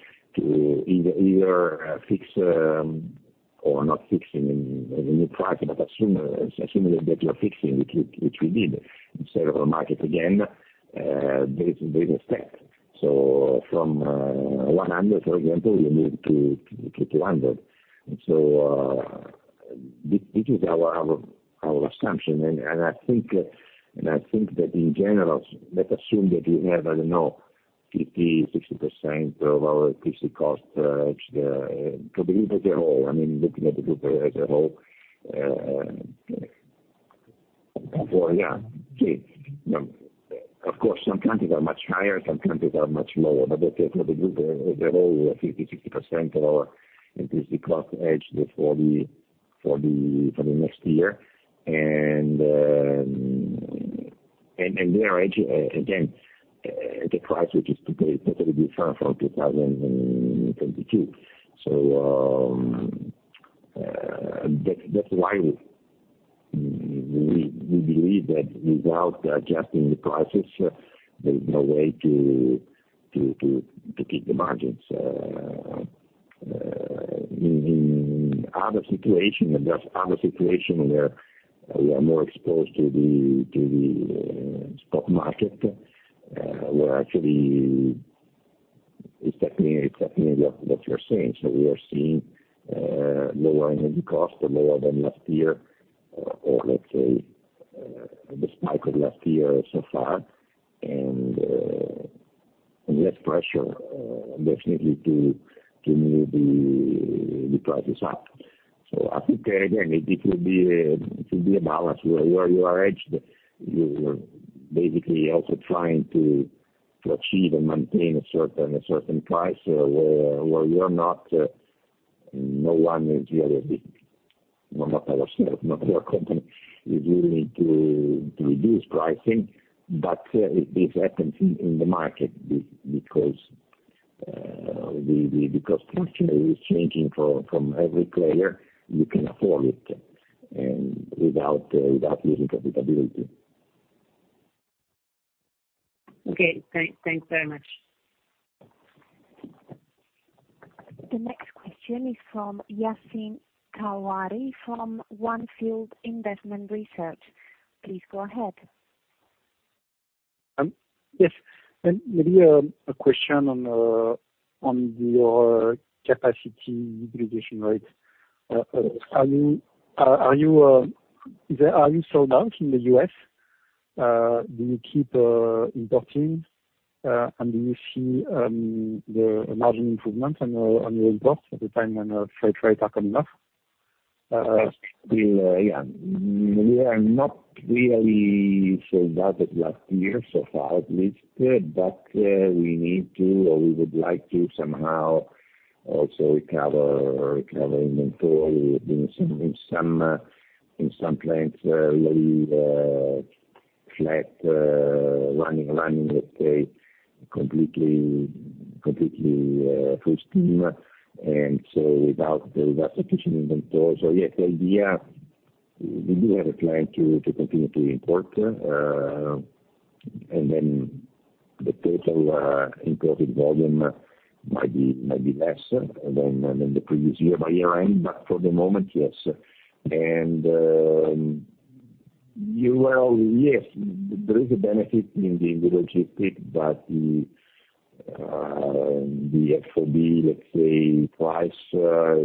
either fix or not fixing in the new price, but assume that you are fixing, which we did in several markets again, there is a step. From 100, for example, we moved to 200. This is our assumption. I think that in general, let's assume that we have, I don't know, 50%, 60% of our PC cost, actually, to believe as a whole, I mean, looking at the group as a whole. Well, yeah. See, you know, of course, some countries are much higher, some countries are much lower. Let's say for the group as a whole, 50%-60% of our PC cost hedged for the next year. We are hedging again, at a price which is totally different from 2022. That's why we believe that without adjusting the prices, there's no way to keep the margins. In other situation, in just other situation where we are more exposed to the stock market, we're actually. It's definitely what you're saying. We are seeing lower energy cost, lower than last year or let's say, the spike of last year so far, and less pressure definitely to move the prices up. I think, again, it will be a balance where you are hedged, you're basically also trying to achieve and maintain a certain price where you're not, no one is really, not ourselves, not our company is willing to reduce pricing. it happens in the market because the cost function is changing From every player, you can afford it without losing profitability. Okay. Thanks very much. The next question is from Yassine Touahri from On Field Investment Research. Please go ahead. Yes. Maybe a question on your capacity utilization rates. Are you sold out in the U.S.? Do you keep importing, and do you see the margin improvement on your imports at the time when freight rate are coming up? We, yeah, we are not really sold out at last year so far, at least. We need to or we would like to somehow also recover inventory. We have been In some, in some plants really, flat, running, let's say, completely, full steam. Without sufficient inventory. Yes, the idea, we do have a plan to continue to import. The total imported volume might be less than the previous year by year-end. For the moment, yes. You. Well, yes, there is a benefit in the, in the freight but the FOB, let's say, price,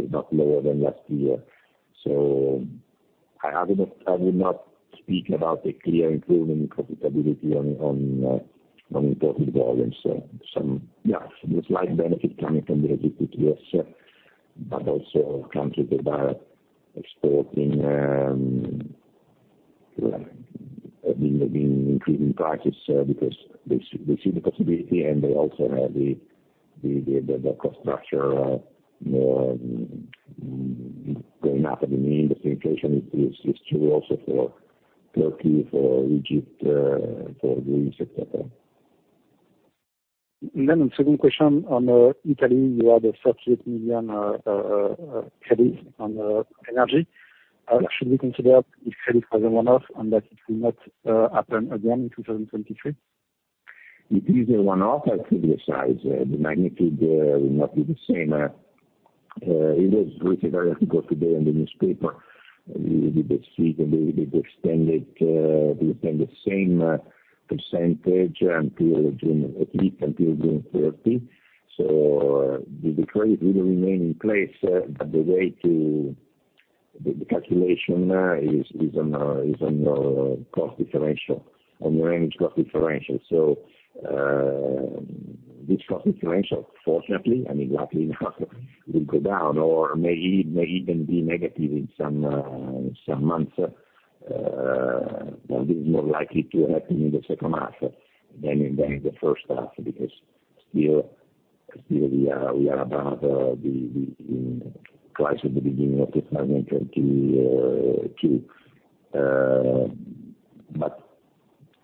is not lower than last year. I will not speak about a clear improvement in profitability on imported volumes. Some, yeah, slight benefit coming from the freight to us, but also countries that are exporting have been increasing prices because they see the possibility, and they also have the cost structure more going up. I mean, the situation is true also for Turkey, for Egypt, for Greece, et cetera. A second question on Italy. You have a 38 million credit on energy. Should we consider if credit as a one-off and that it will not happen again in 2023? It is a one-off. I think the size, the magnitude, will not be the same. It was written, I have to go today in the newspaper. We did see they extended, they extend the same percentage until June, at least until June 30. The credit will remain in place, but the way to the calculation is on cost differential, on the range cost differential. This cost differential, fortunately and luckily enough will go down or may even be negative in some months. This is more likely to happen in the second half than in the first half because still we are above the prices at the beginning of 2022.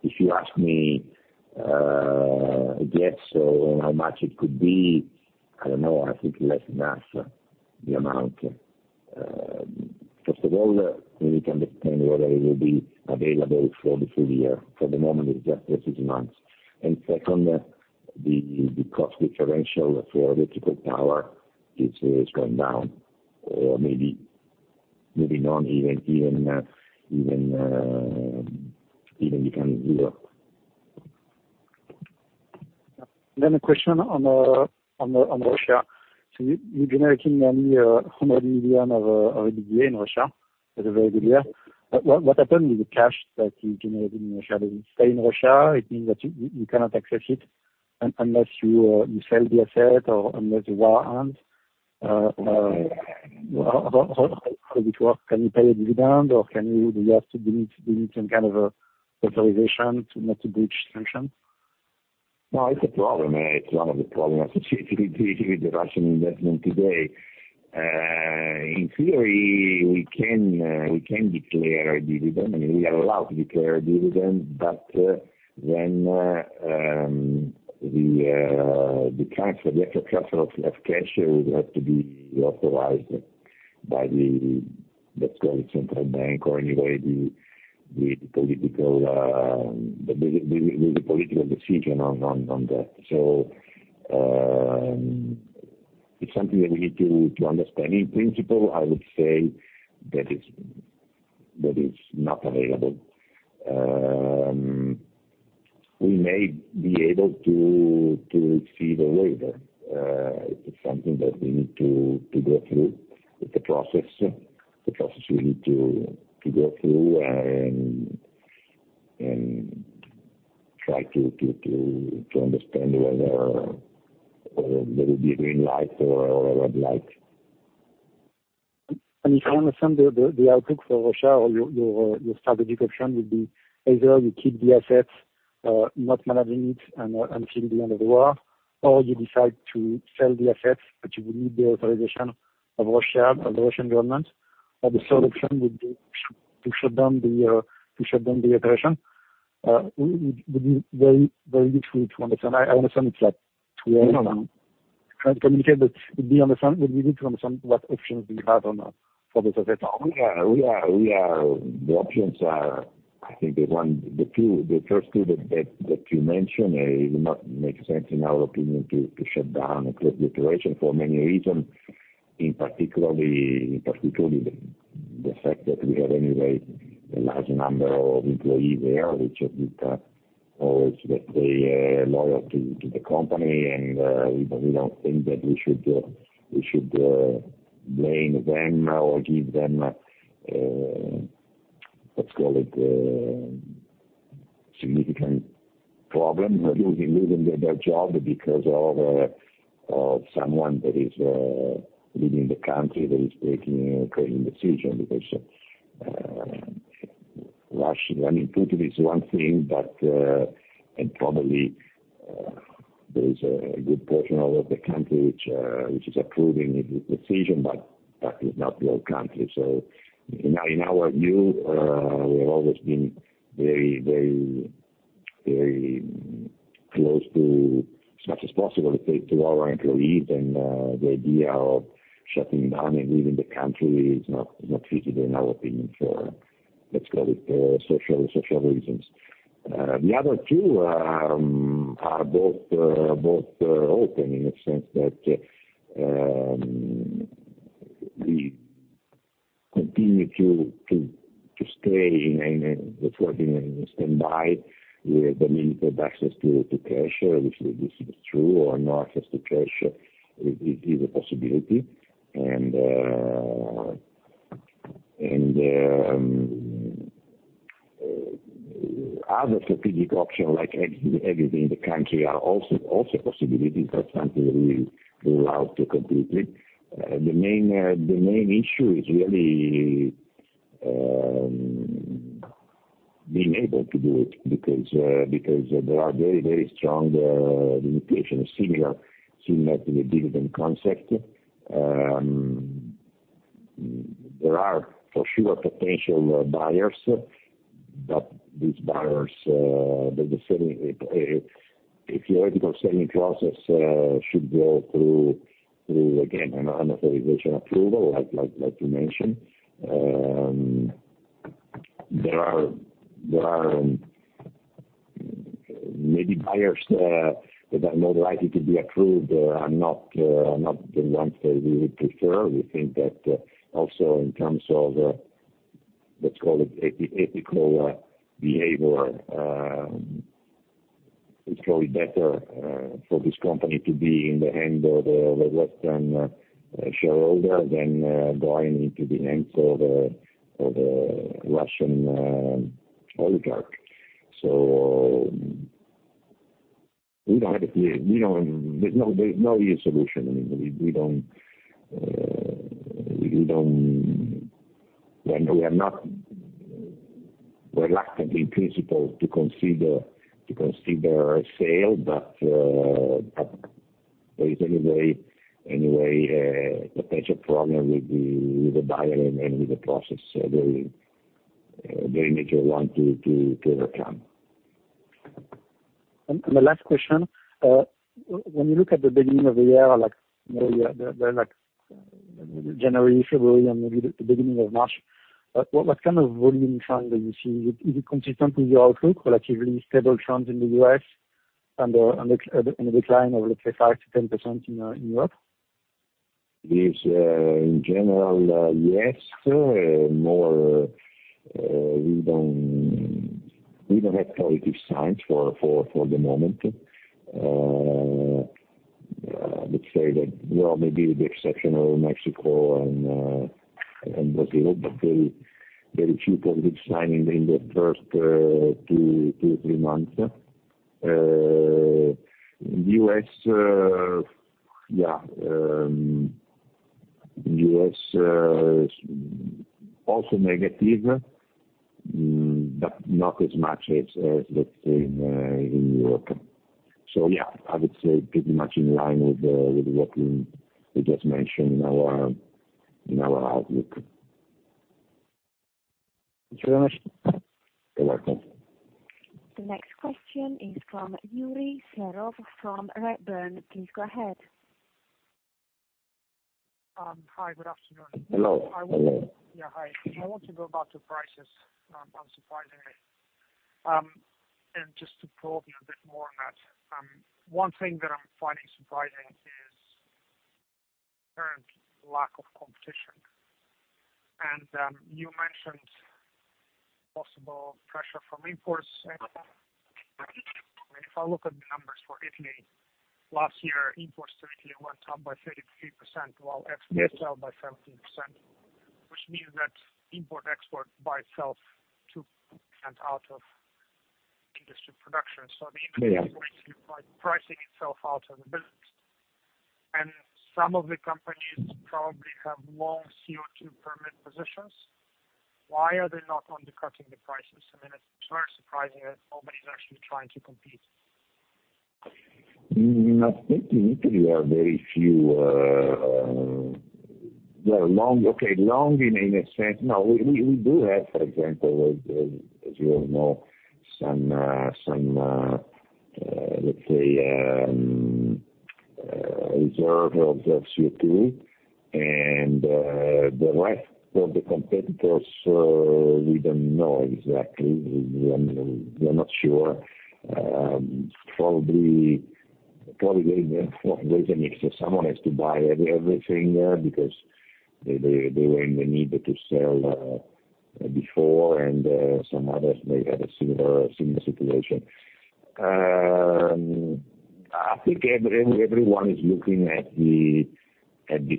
If you ask me, I guess how much it could be, I don't know. I think less than half the amount. First of all, we need to understand whether it will be available for the full year. For the moment, it's just 6 months. Second, the cost differential for electrical power is going down or maybe not even becoming zero. A question on Russia. You're generating only 100 million of EBITDA in Russia. That's a very good year. What happened with the cash that you generated in Russia? Does it stay in Russia? It means that you cannot access it unless you sell the asset or unless the war ends. How does it work? Can you pay a dividend, or do you have to, do you need some kind of authorization to not to breach sanctions? No, it's a problem. It's one of the problems associated with the Russian investment today. In theory, we can declare a dividend, and we are allowed to declare a dividend. When the transfer, the actual transfer of cash will have to be authorized by the, let's call it, central bank, or anyway, the political, the political decision on that. It's something that we need to understand. In principle, I would say that it's, that it's not available. We may be able to receive a waiver. It's something that we need to go through with the process we need to go through and try to understand whether it will be green light or red light. If I understand the outlook for Russia or your strategic option would be either you keep the assets, not managing it, until the end of the war, or you decide to sell the assets, but you would need the authorization of Russia, of the Russian government, or the third option would be to shut down the operation. Would be very difficult to understand. I understand it's like two years now. No, no. Hard to communicate, but do you understand? Would we need to understand what options do you have on the assets? We are. The options are, I think the one the two the first two that you mentioned, it would not make sense in our opinion to shut down and close the operation for many reasons. In particularly, the fact that we have anyway a large number of employees there, which have been always very loyal to the company. We don't think that we should blame them or give them, let's call it, significant problems by losing their job because of someone that is leading the country, that is taking a crazy decision. I mean, Putin is one thing. probably, there is a good portion of the country which is approving his decision, but that is not the whole country. In our view, we have always been very, very, very close to, as much as possible, to our employees. The idea of shutting down and leaving the country is not feasible in our opinion for, let's call it, social reasons. The other two are both open in a sense that we continue to stay in a, let's call it, in a standby. We have the means of access to cash, which this is true, or not access to cash is a possibility. Other strategic option, like exiting the country are also a possibility. It's not something we rule out completely. The main issue is really being able to do it because there are very, very strong limitations similar to the dividend concept. There are for sure potential buyers, but these buyers, they're the same, if the selling process should go through again, an authorization approval like you mentioned, maybe buyers that are more likely to be approved are not the ones that we would prefer. We think that also in terms of let's call it ethical behavior, it's probably better for this company to be in the hand of a Western shareholder than going into the hands of a Russian oligarch. We don't have a clear. We don't. There's no easy solution. I mean, we don't, we don't. We are not reluctant in principle to consider a sale, but anyway, a potential problem with the buyer and with the process, very major one to overcome. The last question. When you look at the beginning of the year, like, you know, like January, February, and maybe the beginning of March, what kind of volume trend do you see? Is it consistent with your outlook, relatively stable trends in the US and a decline of let's say 5%-10% in Europe? It's, in general, yes. More, we don't have positive signs for the moment. Let's say that well maybe with the exception of Mexico and Brazil, but very, very few positive sign in the first 2, 3 months. In U.S., yeah, U.S., also negative, but not as much as let's say in Europe. Yeah, I would say pretty much in line with what we just mentioned in our outlook. Thank you very much. You're welcome. The next question is from Yury Serov from Redburn. Please go ahead. Hi, good afternoon. Hello. Yeah, hi. I want to go back to prices, unsurprisingly. Just to probe you a bit more on that, one thing that I'm finding surprising is current lack of competition. You mentioned possible pressure from imports. If I look at the numbers for Italy last year, imports to Italy went up by 33%, while exports. Yes. Fell by 17%, which means that import-export by itself took out of industry production. Yes. The industry is basically like pricing itself out of the business. Some of the companies probably have long CO2 permit positions. Why are they not undercutting the prices? I mean, it's very surprising that nobody's actually trying to compete. I think in Italy are very few, yeah, long, okay, long in a sense. We do have, for example, as you all know, some, let's say, reserve of the CO2. The rest of the competitors, we don't know exactly. We are not sure. Probably there's a mix. Someone has to buy everything because they were in the need to sell before, some others may have a similar situation. I think everyone is looking at the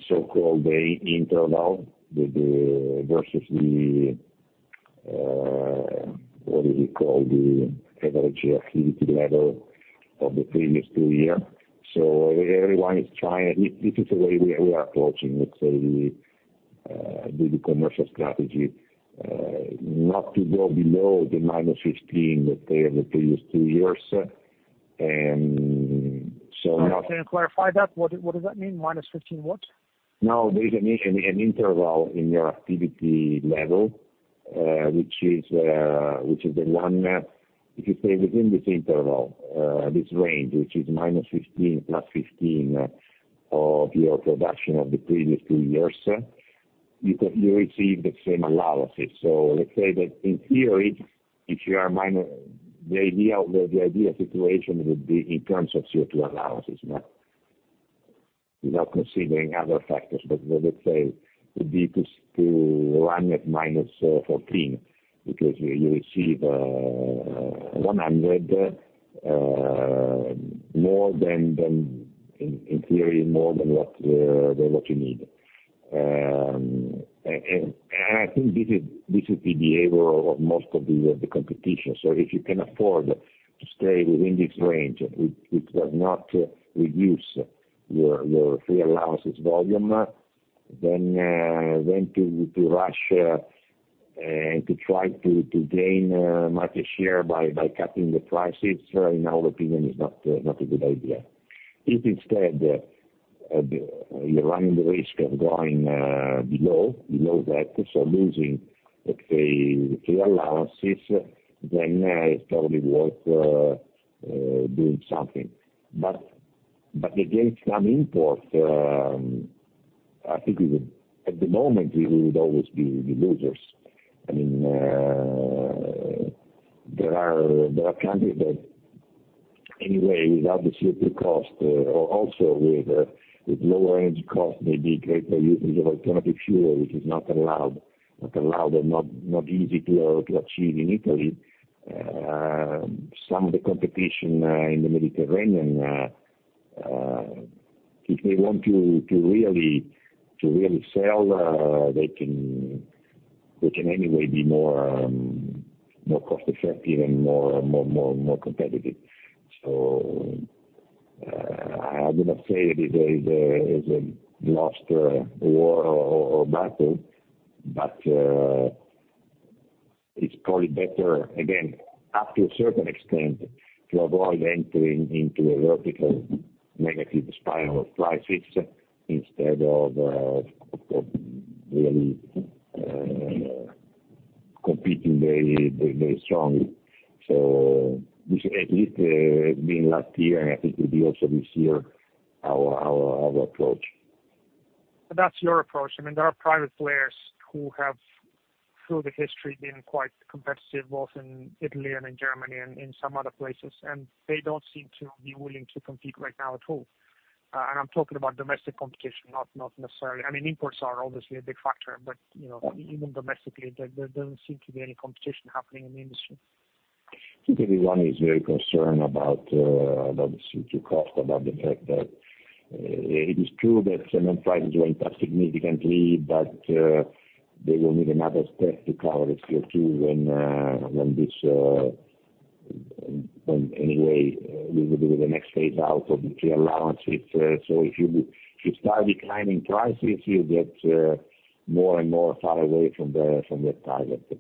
so-called interval with the versus the, what is it called, the average activity level of the previous 2 year. Everyone is trying. This is the way we are approaching, let's say, the commercial strategy, not to go below the -15, let's say, of the previous two years. Can you clarify that? What does that mean? Minus 15 what? No. There's an interval in your activity level, which is, which is the one, if you stay within this interval, this range, which is -15, +15 of your production of the previous 2 years, you receive the same allowances. Let's say that in theory, if you are minor, the ideal situation would be in terms of CO2 allowances, not without considering other factors. Let's say it would be to run at -14 because you receive 100 more than in theory, more than what you need. I think this is the behavior of most of the competition. If you can afford to stay within this range, which does not reduce your free allowances volume, then to rush and to try to gain market share by cutting the prices, in our opinion, is not a good idea. If instead, you're running the risk of going below that, so losing, let's say, free allowances, then it's probably worth doing something. Against some imports, I think at the moment, we would always be the losers. I mean, there are countries that anyway, without the CO2 cost, or also with lower energy cost, maybe greater use of alternative fuel, which is not allowed and not easy to achieve in Italy. Some of the competition in the Mediterranean, if they want to really sell, they can anyway be more cost effective and more competitive. I would not say that there is a lost war or battle, but it's probably better, again, up to a certain extent, to avoid entering into a vertical negative spiral of price fix instead of really competing very strongly. This at least, being last year, and I think it will be also this year, our approach. That's your approach. I mean, there are private players who have, through the history, been quite competitive, both in Italy and in Germany and in some other places, and they don't seem to be willing to compete right now at all. I'm talking about domestic competition, not necessarily. I mean, imports are obviously a big factor, but, you know, even domestically, there don't seem to be any competition happening in the industry. I think everyone is very concerned about the CO2 cost, about the fact that it is true that cement prices went up significantly, but they will need another step to cover the CO2 when when this when anyway, we will do the next phase out of the free allowances. If you, if you start declining prices, you get more and more far away from the from that target.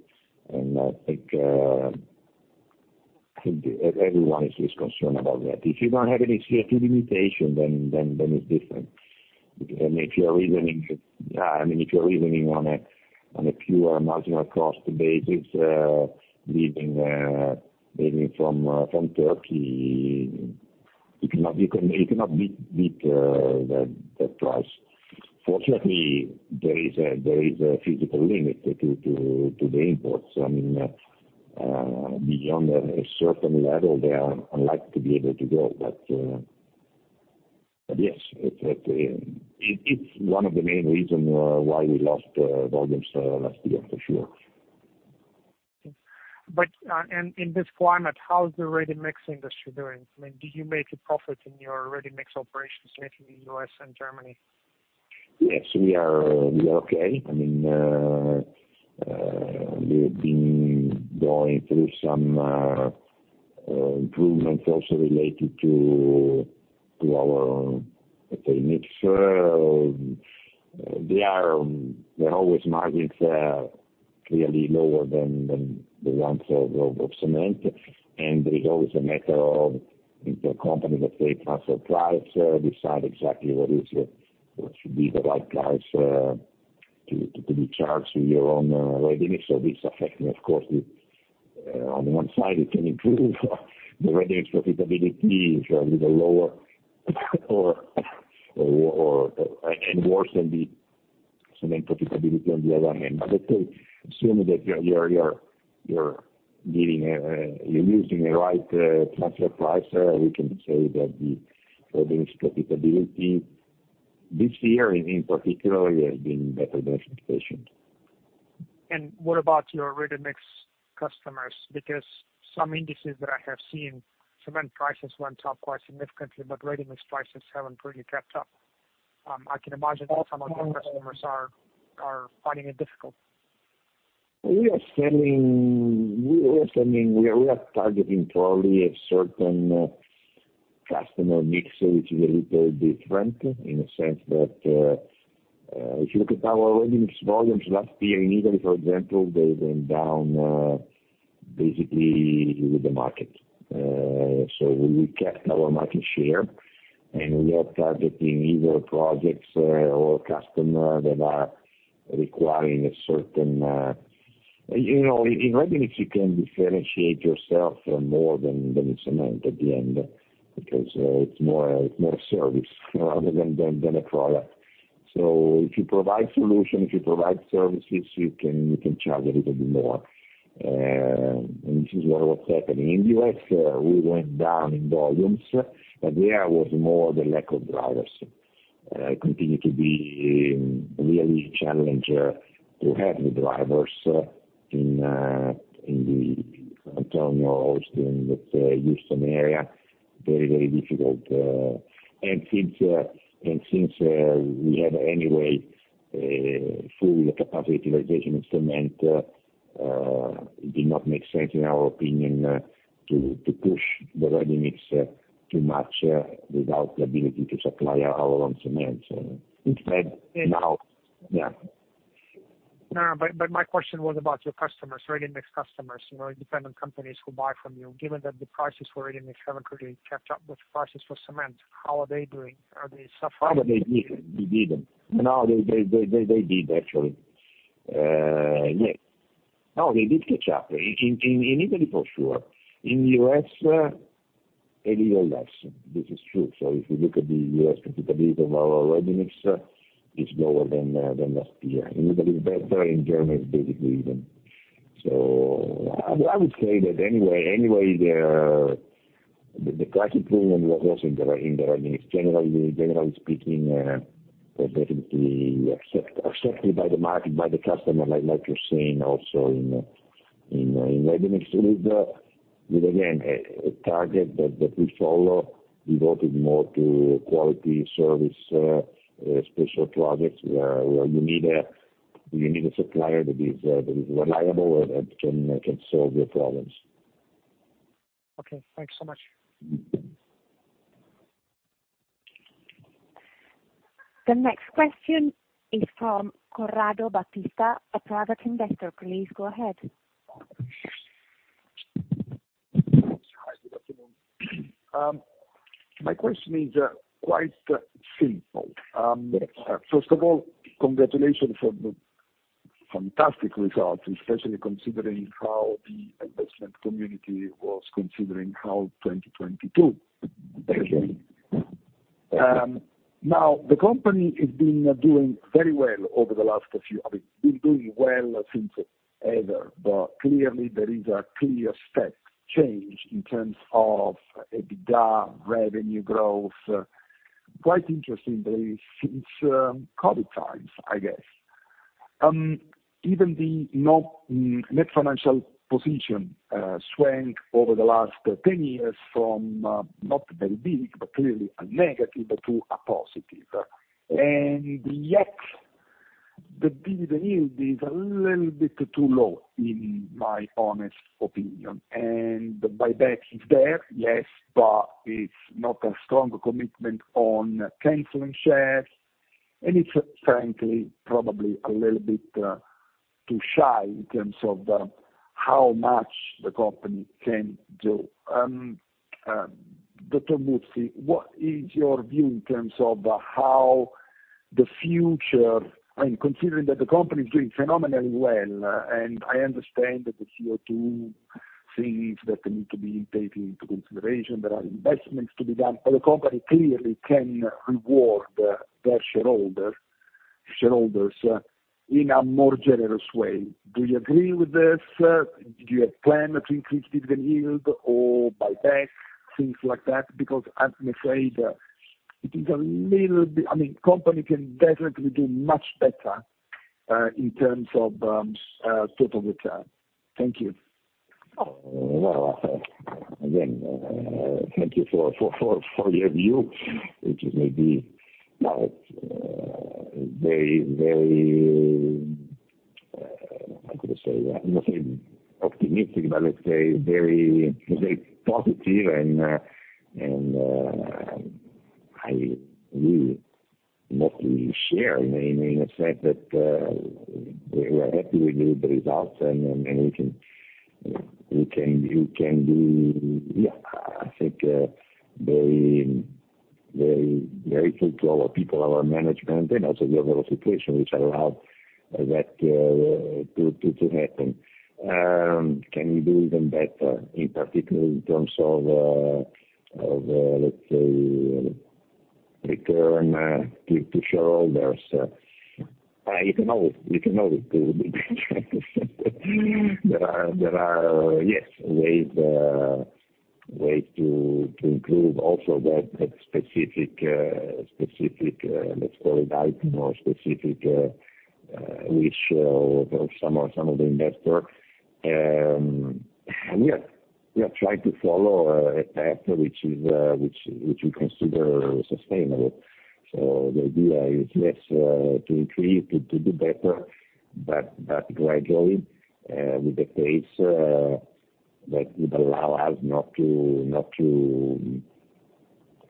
I think everyone is concerned about that. If you don't have any CO2 limitation, then it's different. I mean, if you are reasoning, I mean, if you are reasoning on a on a pure marginal cost basis, leading from Turkey, you cannot beat the price. Fortunately, there is a physical limit to the imports. I mean, beyond a certain level, they are unlikely to be able to go. Yes, it's one of the main reason why we lost volumes last year, for sure. In this climate, how's the ready-mix industry doing? Do you make a profit in your ready-mix operations, let's say in the U.S. and Germany? Yes, we are okay. I mean, we've been going through some improvements also related to our, let's say, mix. They're always margins that are clearly lower than the ones of cement. It's always a matter of if the company that pays transfer price decide exactly what should be the right price to be charged to your own ready-mix. This affecting of course the on the one side, it can improve the ready-mix profitability if you are a little lower, or worse than the cement profitability on the other hand. Let's say, assuming that you're giving a right transfer price, we can say that the ready-mix profitability this year in particular, has been better than expected. What about your ready-mix customers? Some indices that I have seen, cement prices went up quite significantly, but ready-mix prices haven't really kept up. I can imagine that some of your customers are finding it difficult. We are targeting probably a certain customer mix which is a little different, in a sense that, if you look at our ready-mix volumes last year in Italy, for example, they went down basically with the market. We kept our market share, and we are targeting either projects or customer that are requiring a certain. You know, in ready-mix, you can differentiate yourself more than the cement at the end, because it's more a service rather than a product. If you provide solution, if you provide services, you can charge a little bit more. This is what was happening. In U.S., we went down in volumes, but there was more the lack of drivers. It continue to be really challenging to have the drivers in the San Antonio, Austin, with Houston area. Very, very difficult. And since, and since, we have anyway a full capacity utilization of cement, it did not make sense in our opinion, to push the ready-mix too much without the ability to supply our own cement. Instead now. Yeah. No, my question was about your customers, ready-mix customers, you know, independent companies who buy from you. Given that the prices for ready-mix haven't really kept up with prices for cement, how are they doing? Are they suffering? No, they didn't. No, they did, actually. Yes. No, they did catch up. In Italy for sure. In U.S. a little less. This is true. If you look at the U.S. profitability of our ready-mix, it's lower than last year. In Italy is better, in Germany is basically even. I would say that anyway, the price improvement was also in the ready-mix. Generally speaking, was definitely accepted by the market, by the customer, like you're seeing also in ready-mix. With again, a target that we follow devoted more to quality, service, special projects where you need a supplier that is reliable and can solve your problems. Okay, thanks so much. The next question is from Corrado Baccani, a private investor. Please go ahead. Hi, good afternoon. My question is quite simple. First of all, congratulations for the fantastic results, especially considering how the investment community was considering how 2022. Thank you. Now the company has been doing very well. I mean, been doing well since ever, but clearly there is a clear step change in terms of EBITDA, revenue growth. Quite interestingly, since COVID times, I guess. Even the net financial position swang over the last 10 years from not very big, but clearly a negative to a positive. Yet the dividend yield is a little bit too low, in my honest opinion. The buyback is there, yes, but it's not a strong commitment on canceling shares. It's frankly probably a little bit too shy in terms of how much the company can do. Dr. Buzzi, what is your view in terms of how the future. I mean, considering that the company is doing phenomenally well, and I understand that the CO2 things that need to be taken into consideration, there are investments to be done, but the company clearly can reward their shareholders in a more generous way. Do you agree with this? Do you have plan to increase dividend yield or buyback, things like that? I'm afraid it is a little bit. I mean, company can definitely do much better in terms of total return. Thank you. Well, again, thank you for your view, which is maybe very, very, how could I say? Not say optimistic, but let's say very, very positive, and I really mostly share. I mean, in a sense that we are happy with the results and we can be, yeah, I think, very, very grateful to our people, our management, and also the overall situation which allowed that to happen. Can we do even better, in particular in terms of, let's say, return to shareholders? You can always, you can always do better. There are, yes, ways to improve also that specific, let's call it item or specific wish of some of the investor. We are trying to follow a path which we consider sustainable. The idea is, yes, to increase, to do better, but gradually, with a pace that would allow us not to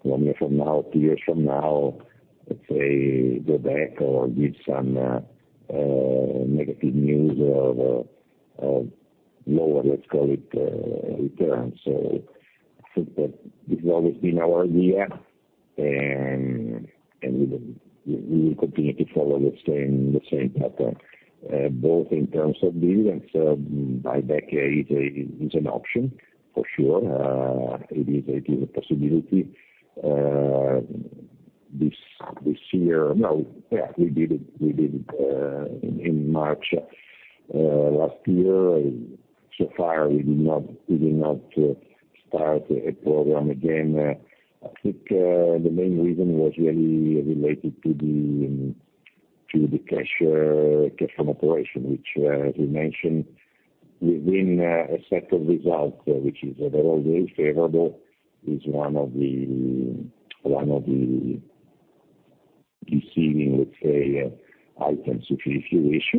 1 year from now, 2 years from now, let's say, go back or give some negative news or lower, let's call it, returns. I think that this has always been our idea and we will continue to follow the same pattern, both in terms of dividends. Buyback is an option for sure. It is a possibility. This year. No. Yeah, we did it in March last year. So far we did not start a program again. I think, the main reason was really related to the cash from operations, which, as we mentioned, within a set of results which is overall very favorable, is one of the deceiving, let's say, items, if you wish.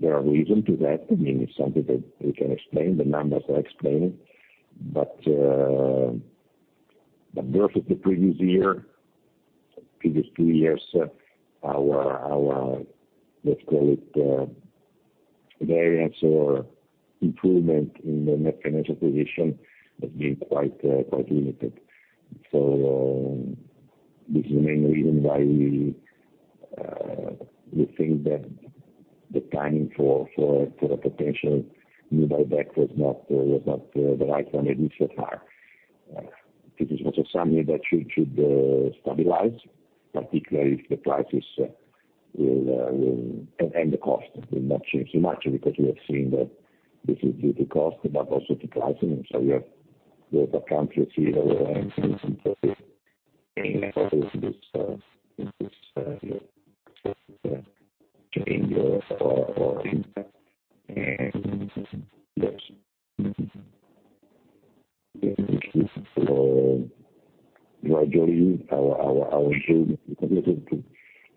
There are reason to that. I mean, it's something that we can explain. The numbers are explaining. Versus the previous year, previous two years, our, let's call it, variance or improvement in the net financial position has been quite limited. This is the main reason why we think that the timing for a potential new buyback was not the right one at least so far. This is also something that should stabilize, particularly if the prices will. And the cost will not change so much because we have seen that this is due to cost, but also to pricing. We have a country or three who are experiencing some pressure in this, in this year. To endorse our impact. Yes. Thank you for joining our call.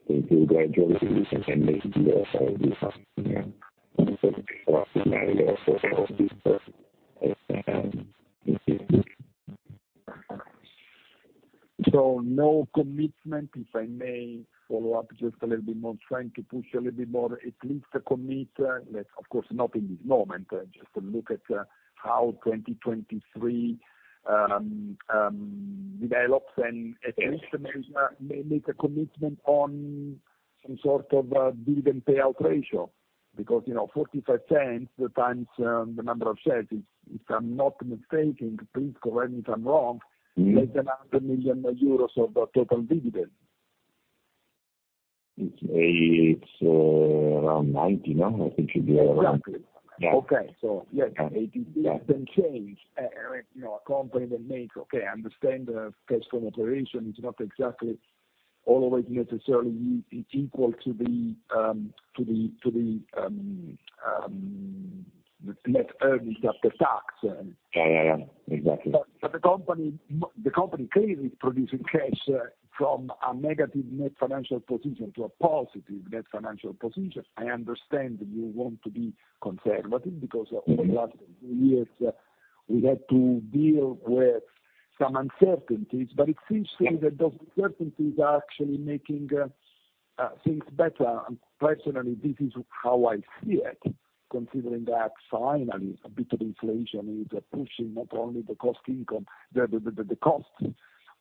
It will gradually decrease and make the overall business, yeah, of this first this year. No commitment, if I may follow up just a little bit more, trying to push a little bit more, at least a commit, that of course not in this moment, just to look at how 2023 develops and at least make a commitment on some sort of a dividend payout ratio. You know, 0.45 times the number of shares, if I'm not mistaken, please correct me if I'm wrong. Less than 100 million euros of the total dividend. It's around 90 now. I think should be around. Exactly. Yeah. Yeah, it didn't change. You know, a company that makes. I understand cash from operation is not exactly always necessarily equal to the net earnings after tax. Yeah. Yeah. Yeah. Exactly. The company clearly is producing cash from a negative net financial position to a positive net financial position. I understand you want to be conservative because over the last few years, we had to deal with some uncertainties. It seems to me that those uncertainties are actually making things better. Personally, this is how I see it, considering that finally a bit of inflation is pushing not only the cost income, the costs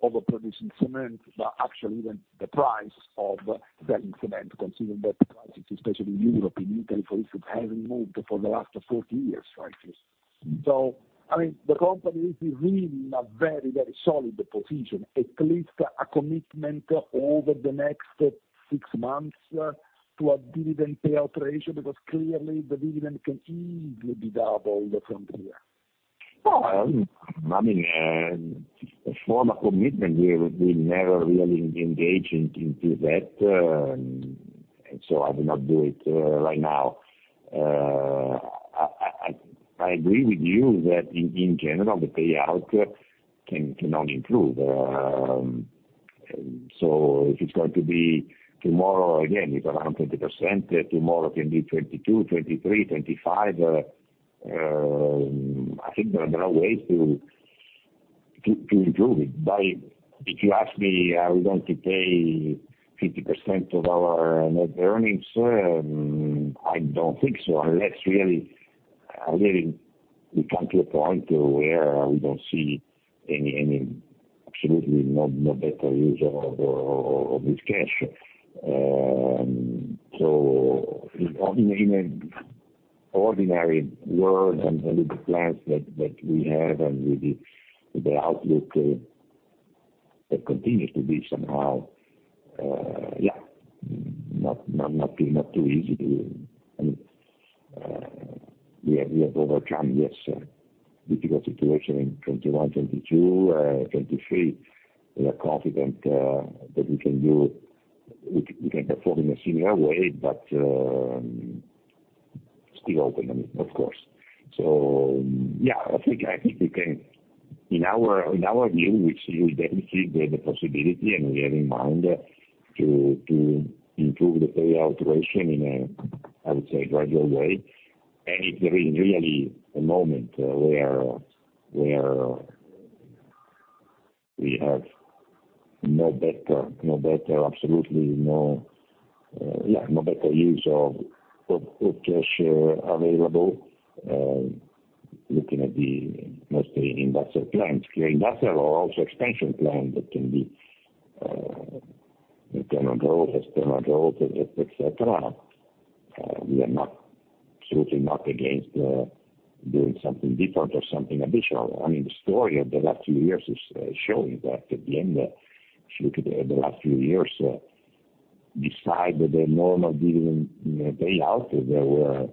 of producing cement, but actually even the price of selling cement, considering that prices, especially in Europe, in Italy, for instance, haven't moved for the last 40 years, right? I mean, the company is really in a very, very solid position. At least a commitment over the next 6 months to a dividend payout ratio, because clearly the dividend can easily be doubled from here. Well, I mean, as for the commitment, we never really engaged into that. I will not do it right now. I agree with you that in general, the payout can only improve. If it's going to be tomorrow, again, it's around 20%, tomorrow can be 22, 23, 25. I think there are ways to improve it. By. If you ask me, are we going to pay 50% of our net earnings? I don't think so. Unless really, really we come to a point where we don't see any, absolutely no better use of this cash. In ordinary world and all the plans that we have and with the outlook that continues to be somehow, yeah, not too easy to. I mean, we have overcome, yes, difficult situation in 2021, 2022, 2023. We are confident that we can perform in a similar way, but still open, I mean, of course. Yeah, I think, I think we can. In our view, we see definitely the possibility and we have in mind to improve the payout ratio in a, I would say, gradual way. If there is really a moment where we have no better, absolutely no, yeah, no better use of cash available, looking at the mostly industrial plants. Industrial or also expansion plan that can be internal growth, external growth, etcetera. We are not, absolutely not against doing something different or something additional. I mean, the story of the last few years is showing that at the end, if you look at the last few years, beside the normal dividend, you know, payout,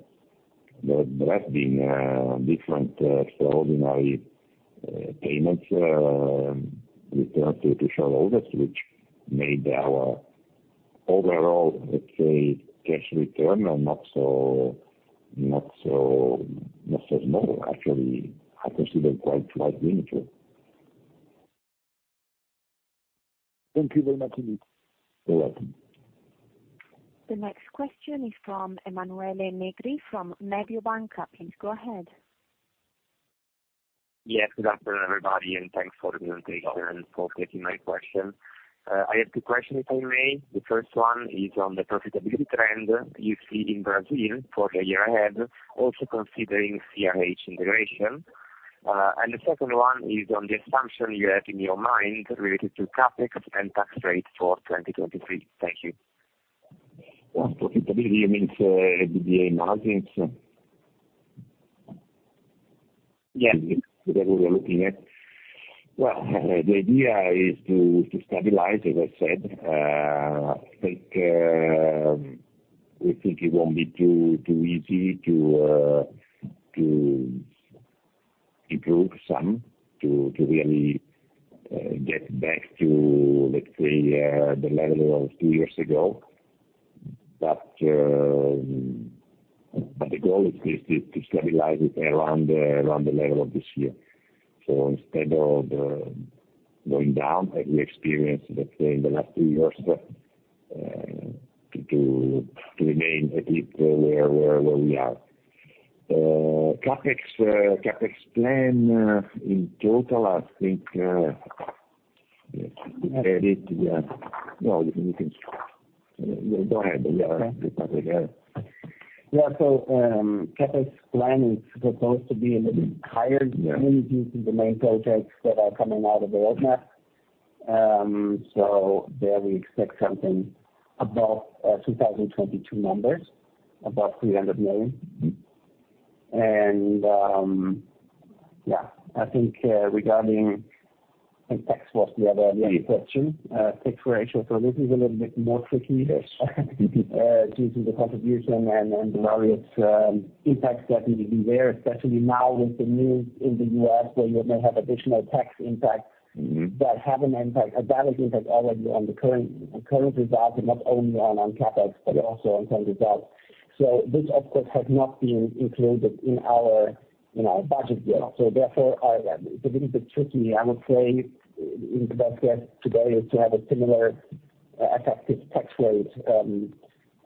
there has been different extraordinary payments returned to shareholders, which made our overall, let's say, cash return not so small. Actually, I consider quite meaningful. Thank you very much, Dr. Buzzi. You're welcome. The next question is from Emanuele Negri from Mediobanca. Please go ahead. Yes, good afternoon, everybody, and thanks for the presentation and for taking my question. I have two questions, if I may. The first one is on the profitability trend you see in Brazil for the year ahead, also considering CRH integration. The second one is on the assumption you have in your mind related to CapEx and tax rate for 2023. Thank you. Well, profitability means EBITDA margins? Yes. That we were looking at. Well, the idea is to stabilize, as I said. I think we think it won't be too easy to improve some, to really get back to, let's say, the level of 2 years ago. The goal is to stabilize it around the level of this year. Instead of going down, as we experienced between the last 2 years, to remain at least where we are. CapEx plan, in total, I think. Let me add it. Yeah. No, you can start. Go ahead. Yeah. You start with that. CapEx plan is supposed to be a little bit higher than due to the main projects that are coming out of the roadmap. There we expect something above 2022 numbers, above EUR 300 million. Yeah, I think, tax was the other question, tax ratio. This is a little bit more tricky. Due to the contribution and the various impacts that need to be there, especially now with the news in the U.S., where you may have additional tax impacts. that have an impact, a balance impact already on the current results and not only on CapEx but also on current results. This, of course, has not been included in our, you know, budget yet. Therefore, it's a little bit tricky. I would say the best guess today is to have a similar effective tax rate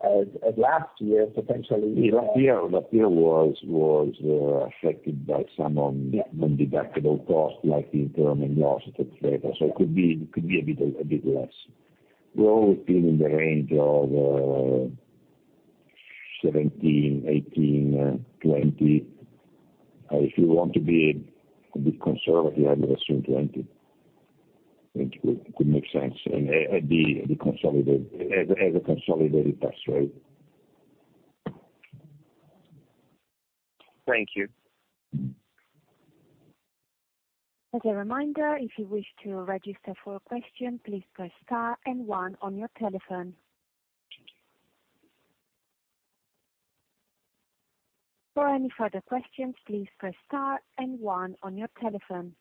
as last year, potentially. Yeah. Last year was affected by some. Yeah. undeductible costs like the impairment loss, et cetera. It could be a bit less. We've always been in the range of 17, 18, 20. If you want to be a bit conservative, I would assume 20. I think it would make sense. At the consolidated, as a consolidated tax rate. Thank you. As a reminder, if you wish to register for a question, please press star 1 on your telephone. For any further questions, please press star 1 on your telephone.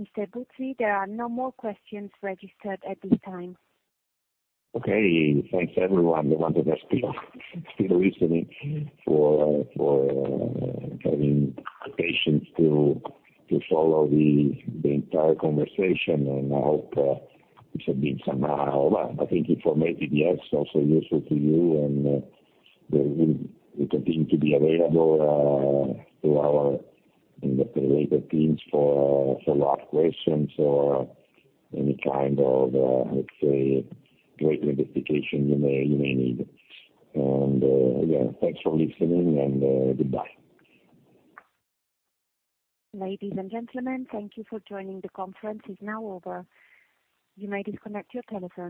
Mr. Buzzi, there are no more questions registered at this time. Okay. Thanks, everyone, the ones that are still listening, for having the patience to follow the entire conversation. I hope this has been somehow, I think informative, yes, also useful to you. We continue to be available through our and operator teams for follow-up questions or any kind of let's say, clarification you may need. Yeah, thanks for listening, and goodbye. Ladies and gentlemen, thank you for joining the conference. It's now over. You may disconnect your telephones.